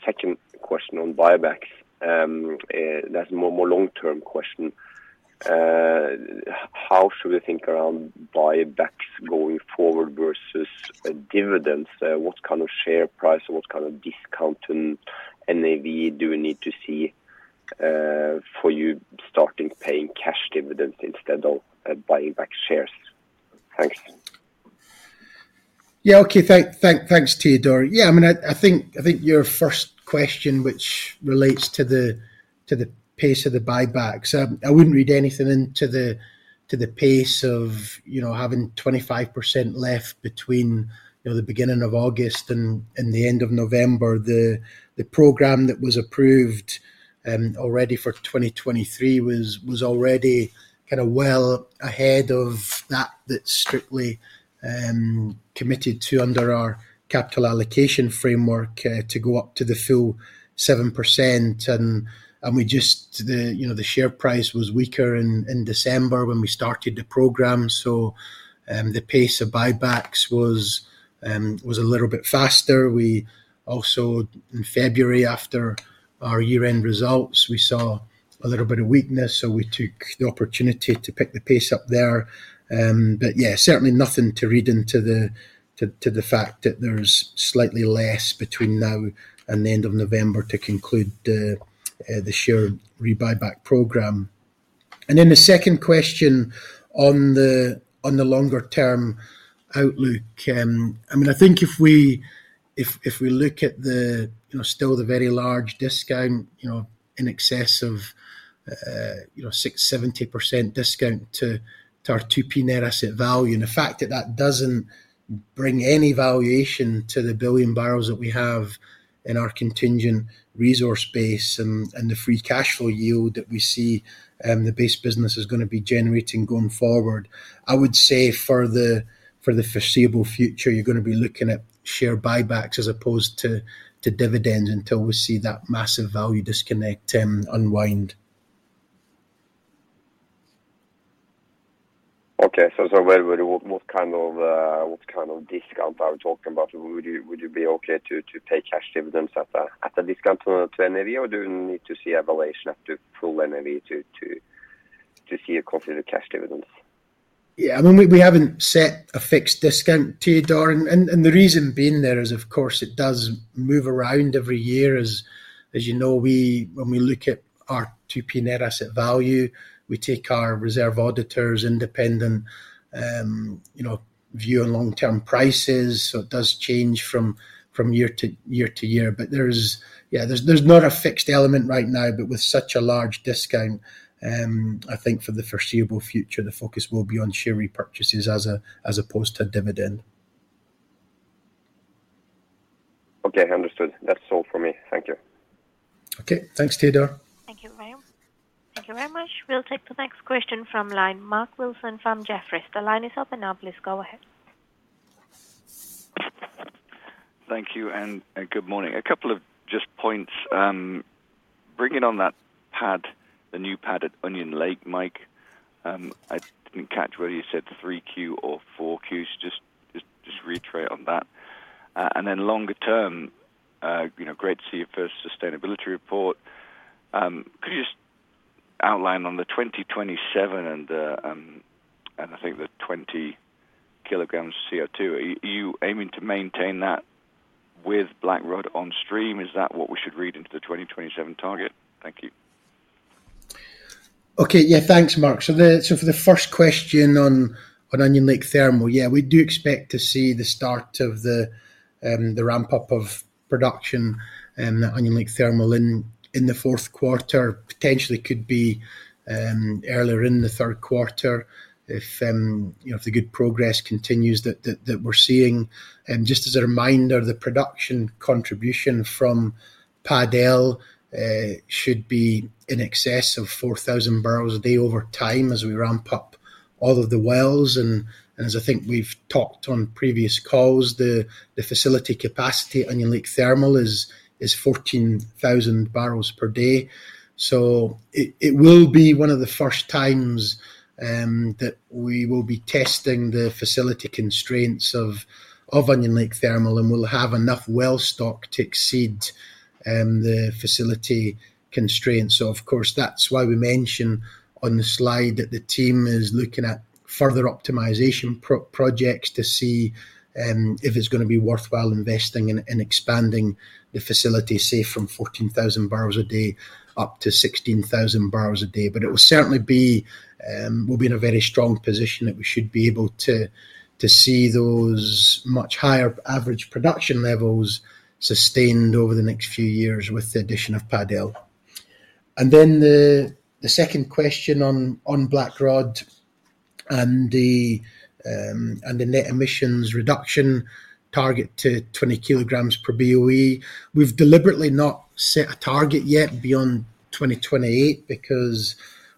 Second question on buybacks, that's more long-term question. How should we think around buybacks going forward versus dividends? What kind of share price and what kind of discount in NAV do we need to see for you starting paying cash dividends instead of buying back shares? Thanks. Yeah, okay. Thank, thank, thanks, Teodor. Yeah, I mean, I, I think, I think your first question, which relates to the, to the pace of the buybacks, I wouldn't read anything into the, to the pace of, you know, having 25% left between, you know, the beginning of August and, and the end of November. The, the program that was approved, already for 2023 was, was already kind of well ahead of that, that's strictly committed to under our capital allocation framework, to go up to the full 7%. We just, you know, the share price was weaker in December when we started the program, so, the pace of buybacks was a little bit faster. We also, in February, after our year-end results, we saw a little bit of weakness, so we took the opportunity to pick the pace up there. Yeah, certainly nothing to read into the, to, to the fact that there's slightly less between now and the end of November to conclude the share re-buyback program. The second question on the, on the longer term outlook, I mean, I think if we, if, if we look at the, you know, still the very large discount, you know, in excess of, you know, 60-70% discount to our 2P net asset value. The fact that that doesn't bring any valuation to the 1 billion barrels that we have in our contingent resource base and, and the free cash flow yield that we see, the base business is gonna be generating going forward. I would say for the, for the foreseeable future, you're gonna be looking at share buybacks as opposed to, to dividends until we see that massive value disconnect unwind. Okay. What kind of discount are we talking about? Would you be okay to pay cash dividends at a discount to an NAV, or do you need to see valuation up to full NAV to consider the cash dividends? Yeah. I mean, we, we haven't set a fixed discount to you, Dor. And the reason being there is, of course, it does move around every year. As, as you know, when we look at our 2P net asset value, we take our reserve auditors independent, you know, view on long-term prices. So it does change from year to year to year. But there's, yeah, there's not a fixed element right now, but with such a large discount, I think for the foreseeable future, the focus will be on share repurchases as opposed to dividend. Okay, understood. That's all for me. Thank you. Okay. Thanks, Teodor. Thank you very much. Thank you very much. We'll take the next question from line. Mark Wilson from Jefferies. The line is open now. Please go ahead. Thank you, and good morning. A couple of just points. Bringing on that pad, the new pad at Onion Lake, Mike, I didn't catch whether you said 3Q or 4Qs. Just reiterate on that. Then longer term, you know, great to see your first sustainability report. Could you just outline on the 2027 and the, and I think the 20 kilograms of CO2, are you aiming to maintain that with Blackrod on stream? Is that what we should read into the 2027 target? Thank you. Okay. Yeah, thanks, Mark. For the first question on Onion Lake Thermal, yeah, we do expect to see the start of the ramp-up of production in the Onion Lake Thermal in the fourth quarter. Potentially could be earlier in the third quarter if, you know, if the good progress continues that, that, that we're seeing. Just as a reminder, the production contribution from Pad L should be in excess of 4,000 barrels a day over time as we ramp up all of the wells. As I think we've talked on previous calls, the facility capacity, Onion Lake Thermal, is 14,000 barrels per day. It, it will be one of the first times, that we will be testing the facility constraints of, of Onion Lake Thermal, and we'll have enough well stock to exceed, the facility constraints. Of course, that's why we mention on the slide that the team is looking at further optimization projects to see, if it's gonna be worthwhile investing and, and expanding the facility, say, from 14,000 barrels a day up to 16,000 barrels a day. It will certainly be, we'll be in a very strong position that we should be able to, to see those much higher average production levels sustained over the next few years with the addition of Pad L. Then the, the second question on, on Blackrod and the, and the net emissions reduction target to 20 kilograms per BOE. We've deliberately not set a target yet beyond 2028 because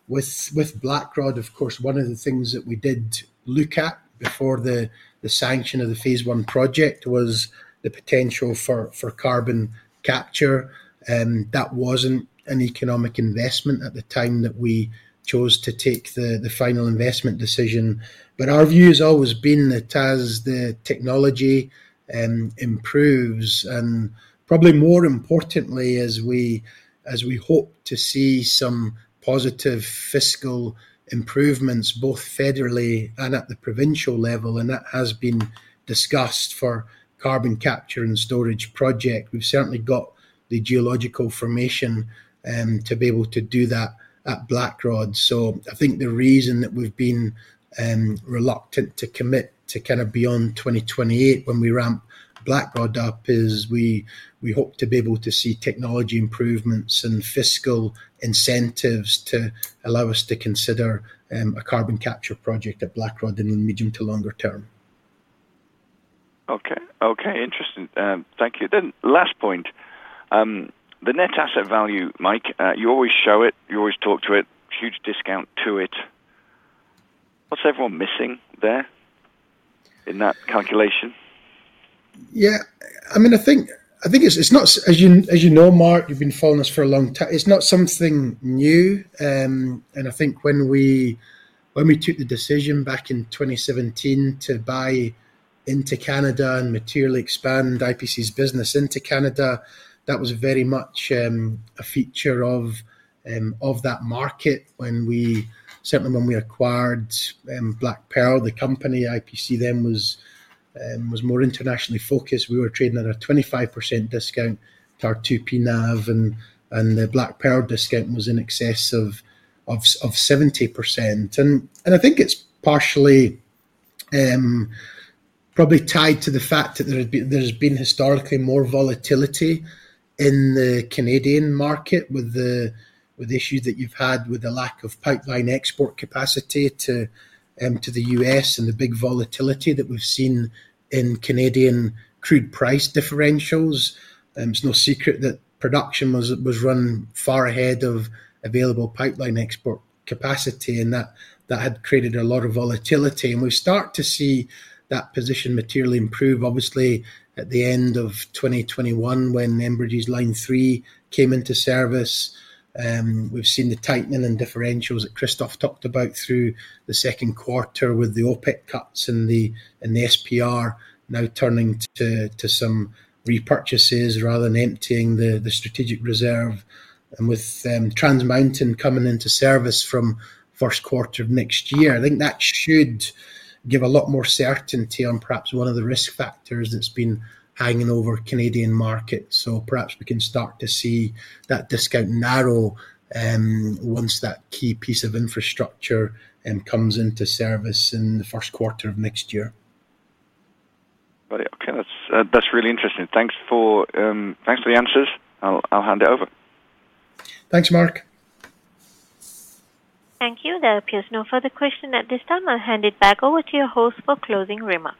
with Blackrod, of course, one of the things that we did look at before the sanction of the Phase 1 project was the potential for carbon capture that wasn't an economic investment at the time that we chose to take the final investment decision. Our view has always been that as the technology improves, and probably more importantly, as we hope to see some positive fiscal improvements, both federally and at the provincial level, that has been discussed for carbon capture and storage project. We've certainly got the geological formation to be able to do that at Blackrod. I think the reason that we've been reluctant to commit to kind of beyond 2028 when we ramp Blackrod up is we, we hope to be able to see technology improvements and fiscal incentives to allow us to consider a carbon capture project at Blackrod in the medium to longer term. Okay. Okay, interesting. Thank you. Last point, the net asset value, Mike, you always show it, you always talk to it, huge discount to it. What's everyone missing there in that calculation? Yeah. I mean, I think, I think it's, it's not... As you, as you know, Mark, you've been following us for a long time, it's not something new. I think when we, when we took the decision back in 2017 to buy into Canada and materially expand IPC's business into Canada, that was very much a feature of that market when we-- certainly, when we acquired BlackPearl, the company, IPC then was more internationally focused. We were trading at a 25% discount to our 2P NAV, and the BlackPearl discount was in excess of 70%. I think it's partially. Probably tied to the fact that there has been, there's been historically more volatility in the Canadian market with the, with the issue that you've had with the lack of pipeline export capacity to the US and the big volatility that we've seen in Canadian crude price differentials. It's no secret that production was, was run far ahead of available pipeline export capacity, and that, that had created a lot of volatility. We start to see that position materially improve, obviously, at the end of 2021, when Enbridge's Line 3 came into service. We've seen the tightening in differentials that Christophe talked about through the second quarter with the OPEC cuts and the, and the SPR now turning to, to some repurchases rather than emptying the, the strategic reserve. With Trans Mountain coming into service from first quarter of next year, I think that should give a lot more certainty on perhaps one of the risk factors that's been hanging over Canadian markets. Perhaps we can start to see that discount narrow once that key piece of infrastructure comes into service in the first quarter of next year. Got it. Okay, that's, that's really interesting. Thanks for... Thanks for the answers. I'll, I'll hand it over. Thanks, Mark. Thank you. There appears no further question at this time. I'll hand it back over to your host for closing remarks.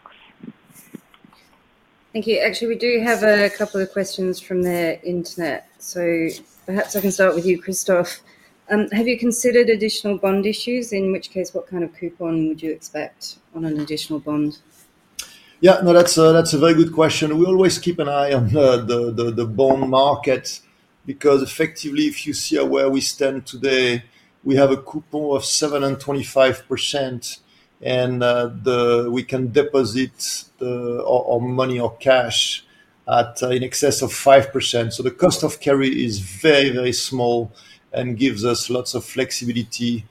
Thank you. Actually, we do have a couple of questions from the internet. Perhaps I can start with you, Christophe. Have you considered additional bond issues? In which case, what kind of coupon would you expect on an additional bond? Yeah, no, that's a, that's a very good question. We always keep an eye on the, the, the bond market because effectively, if you see where we stand today, we have a coupon of 7.25%, and we can deposit, our, our money or cash at, in excess of 5%. The cost of carry is very, very small and gives us lots of flexibility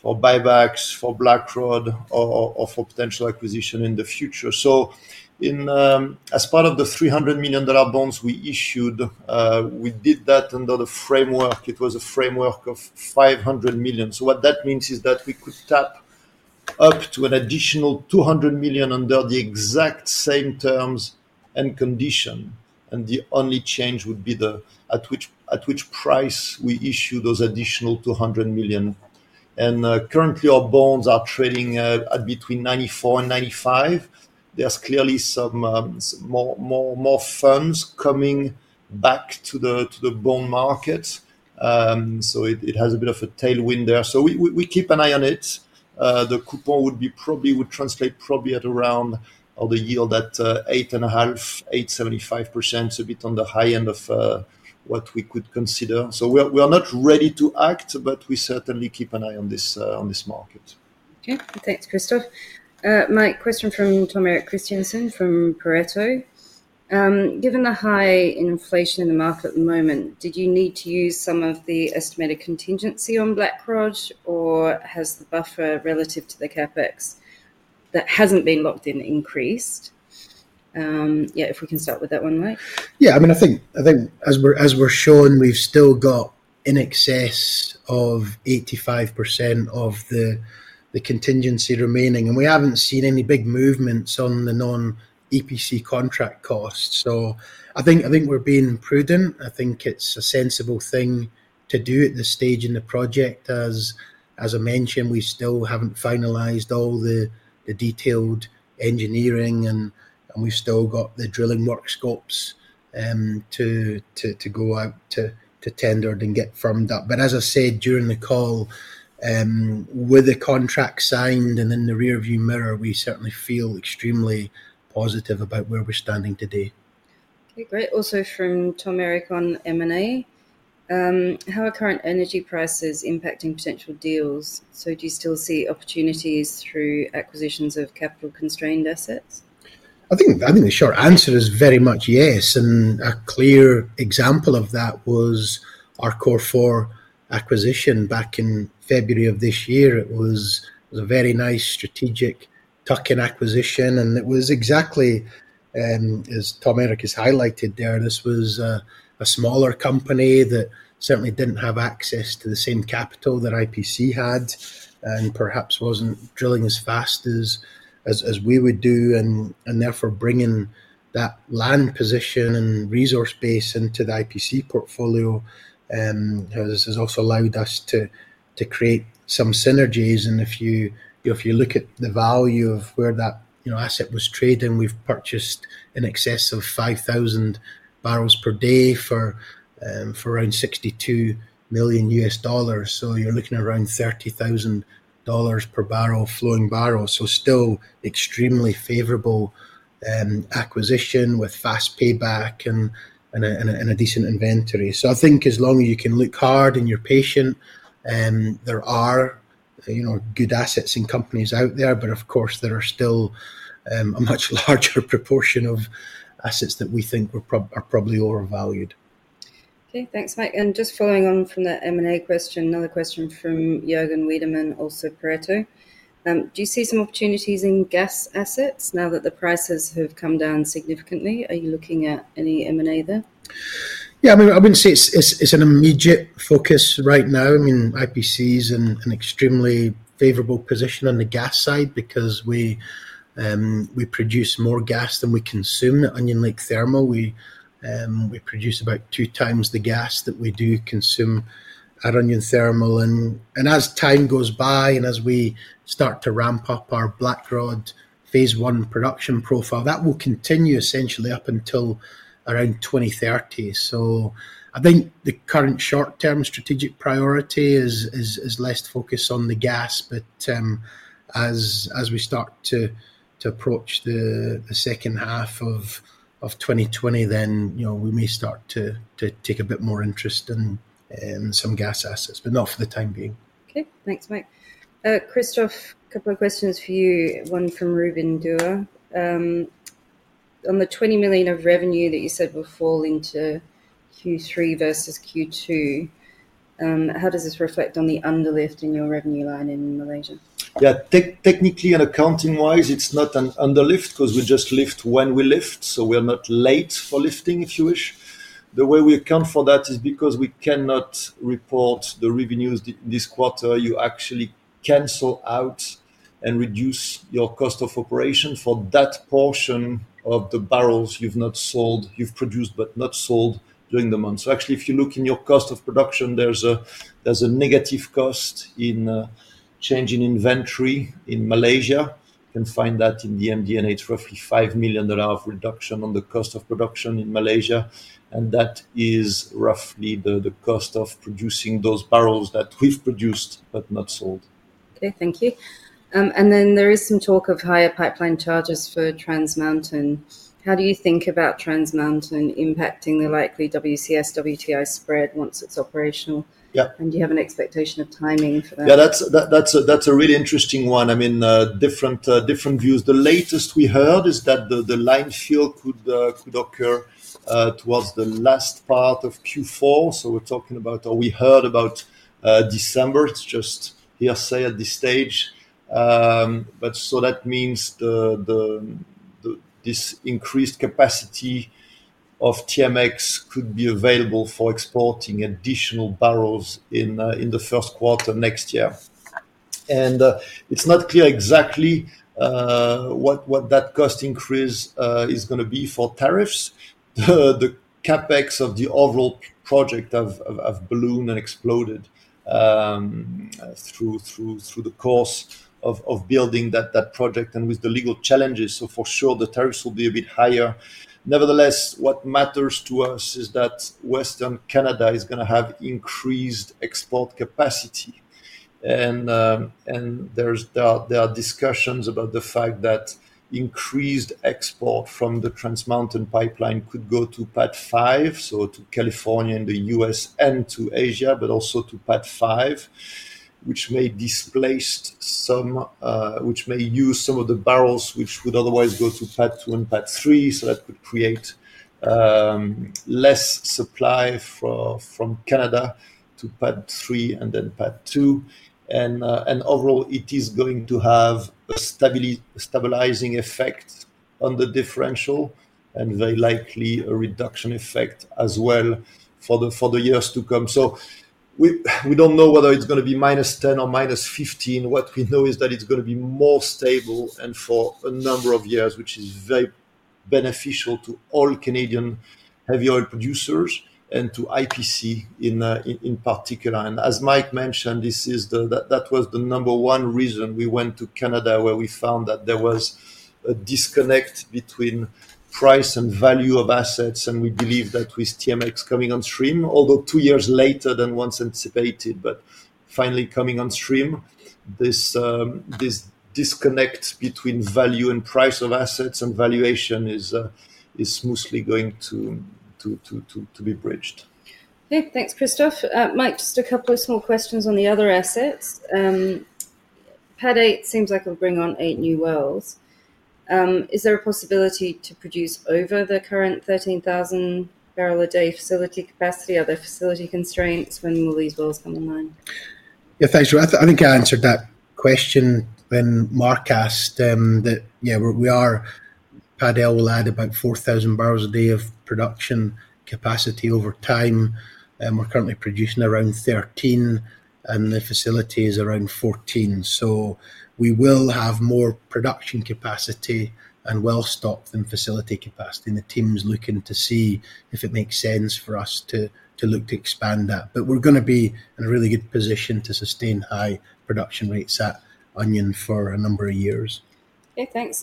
for buybacks, for Blackrod, or, or, or for potential acquisition in the future. In, as part of the $300 million bonds we issued, we did that under the framework. It was a framework of $500 million. What that means is that we could tap up to an additional $200 million under the exact same terms and condition, and the only change would be the at which, at which price we issue those additional $200 million. Currently, our bonds are trading at between 94 and 95. There's clearly some, some more, more, more firms coming back to the, to the bond market. It, it has a bit of a tailwind there. We, we, we keep an eye on it. The coupon would be probably, would translate probably at around, or the yield at, 8.5%, 8.75%, so a bit on the high end of what we could consider. We are, we are not ready to act, but we certainly keep an eye on this on this market. Okay. Thanks, Christophe. Mike, question from Tom Erik Kristiansen from Pareto. Given the high inflation in the market at the moment, did you need to use some of the estimated contingency on Blackrod, or has the buffer relative to the CapEx that hasn't been locked in increased? Yeah, if we can start with that one, Mike. Yeah, I mean, I think, I think as we're, as we're shown, we've still got in excess of 85% of the, the contingency remaining, and we haven't seen any big movements on the non-EPC contract costs. I think, I think we're being prudent. I think it's a sensible thing to do at this stage in the project. As, as I mentioned, we still haven't finalized all the, the detailed engineering, and we've still got the drilling work scopes to go out to tender and get firmed up. As I said during the call, with the contract signed and in the rearview mirror, we certainly feel extremely positive about where we're standing today. Okay, great. Also from Tom Erik on M&A. How are current energy prices impacting potential deals? Do you still see opportunities through acquisitions of capital-constrained assets? I think, I think the short answer is very much yes, and a clear example of that was our Cor4 acquisition back in February of this year. It was a very nice strategic tuck-in acquisition, and it was exactly as Tom Erik has highlighted there, this was a, a smaller company that certainly didn't have access to the same capital that IPC had and perhaps wasn't drilling as fast as, as, as we would do, and, and therefore, bringing that land position and resource base into the IPC portfolio. You know, this has also allowed us to, to create some synergies, and if you, if you look at the value of where that, you know, asset was trading, we've purchased in excess of 5,000 barrels per day for around $62 million. You're looking at around $30,000 per barrel, flowing barrel. Still extremely favorable acquisition with fast payback and a decent inventory. I think as long as you can look hard and you're patient, there are, you know, good assets and companies out there, but of course, there are still a much larger proportion of assets that we think are probably overvalued. Okay, thanks, Mike. Just following on from that M&A question, another question from Jürgen Wiedemann, also Pareto. Do you see some opportunities in gas assets now that the prices have come down significantly? Are you looking at any M&A there? Yeah, I mean, I wouldn't say it's an immediate focus right now. I mean, IPC is in an extremely favorable position on the gas side because we produce more gas than we consume at Onion Lake Thermal. We produce about two times the gas that we do consume at Onion Thermal. As time goes by, as we start to ramp up our Blackrod Phase 1 production profile, that will continue essentially up until around 2030. I think the current short-term strategic priority is less focused on the gas, but as we start to approach the second half of 2020, then, you know, we may start to take a bit more interest in some gas assets, but not for the time being. Okay. Thanks, Mike. Christophe, a couple of questions for you. One from Ruben Dujah. On the $20 million of revenue that you said would fall into Q3 versus Q2, how does this reflect on the underlift in your revenue line in Malaysia? Technically and accounting-wise, it's not an underlift because we just lift when we lift, so we're not late for lifting, if you wish. The way we account for that is because we cannot report the revenues this quarter, you actually cancel out and reduce your cost of operation for that portion of the barrels you've not sold. You've produced, but not sold during the month. Actually, if you look in your cost of production, there's a negative cost in change in inventory in Malaysia. You can find that in the MD&A. It's roughly $5 million of reduction on the cost of production in Malaysia, that is roughly the cost of producing those barrels that we've produced, but not sold. Okay, thank you. Then there is some talk of higher pipeline charges for Trans Mountain. How do you think about Trans Mountain impacting the likely WCS, WTI spread once it's operational? Yeah. Do you have an expectation of timing for that? Yeah, that's, that's a, that's a really interesting one. I mean, different, different views. The latest we heard is that the line fill could occur towards the last part of Q4, so we're talking about..Or we heard about December. It's just hearsay at this stage. That means the, the, this increased capacity of TMX could be available for exporting additional barrels in the first quarter next year. It's not clear exactly what, what that cost increase is gonna be for tariffs. The CapEx of the overall project have ballooned and exploded through the course of building that project and with the legal challenges. For sure, the tariffs will be a bit higher. Nevertheless, what matters to us is that Western Canada is going to have increased export capacity, and there are discussions about the fact that increased export from the Trans Mountain pipeline could go to PADD 5, so to California and the US and to Asia, but also to PADD 5, which may use some of the barrels which would otherwise go to PADD 2 and PADD 3. That could create less supply for, from Canada to PADD 3, and then PADD 2. Overall, it is going to have a stabilizing effect on the differential, and very likely a reduction effect as well for the, for the years to come. We don't know whether it's going to be -10 or -15. What we know is that it's gonna be more stable and for a number of years, which is very beneficial to all Canadian heavy oil producers and to IPC in, in particular. As Mike mentioned, That was the number one reason we went to Canada, where we found that there was a disconnect between price and value of assets, and we believe that with TMX coming on stream, although two years later than once anticipated, but finally coming on stream, this disconnect between value and price of assets and valuation is mostly going to be bridged. Okay. Thanks, Christophe. Mike, just a couple of small questions on the other assets. Pad L seems like it'll bring on eight new wells. Is there a possibility to produce over the current 13,000 barrel a day facility capacity? Are there facility constraints when all these wells come online? Yeah, thanks. Well, I, I think I answered that question when Mark Wilson asked, that, yeah, we, we are.. Pad L will add about 4,000 barrels a day of production capacity over time, we're currently producing around 13, and the facility is around 14. We will have more production capacity and well stop than facility capacity, and the team's looking to see if it makes sense for us to, to look to expand that. We're gonna be in a really good position to sustain high production rates at Onion for a number of years. Okay, thanks.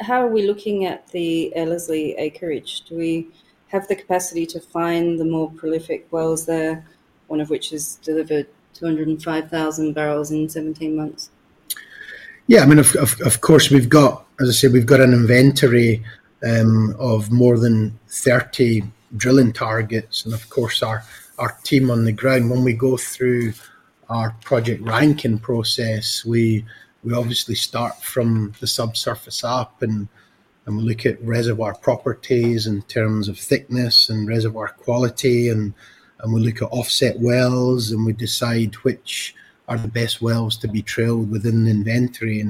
How are we looking at the Ellerslie acreage? Do we have the capacity to find the more prolific wells there, one of which has delivered 205,000 barrels in 17 months? Yeah, I mean, of course. As I said, we've got an inventory, of more than 30 drilling targets, and of course, our team on the ground. When we go through our project ranking process, we obviously start from the subsurface up, and we look at reservoir properties in terms of thickness and reservoir quality, and we look at offset wells, and we decide which are the best wells to be drilled within the inventory.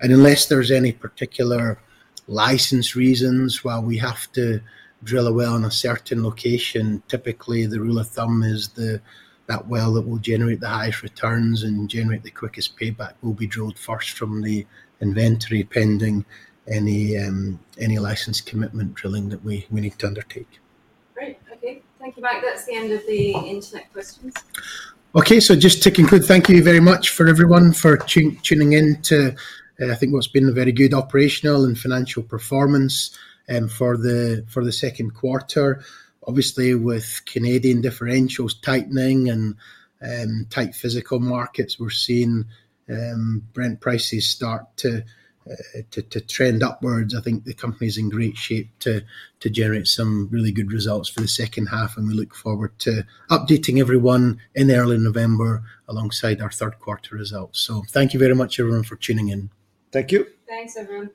Unless there's any particular license reasons why we have to drill a well in a certain location, typically, the rule of thumb is that well that will generate the highest returns and generate the quickest payback will be drilled first from the inventory, pending any license commitment drilling that we need to undertake. Great. Okay. Thank you, Mike. That's the end of the internet questions. Just to conclude, thank you very much for everyone, for tuning in to, I think what's been a very good operational and financial performance for the second quarter. Obviously, with Canadian differentials tightening and tight physical markets, we're seeing Brent prices start to trend upwards. I think the company is in great shape to generate some really good results for the second half, and we look forward to updating everyone in early November, alongside our third quarter results. Thank you very much, everyone, for tuning in. Thank you. Thanks, everyone.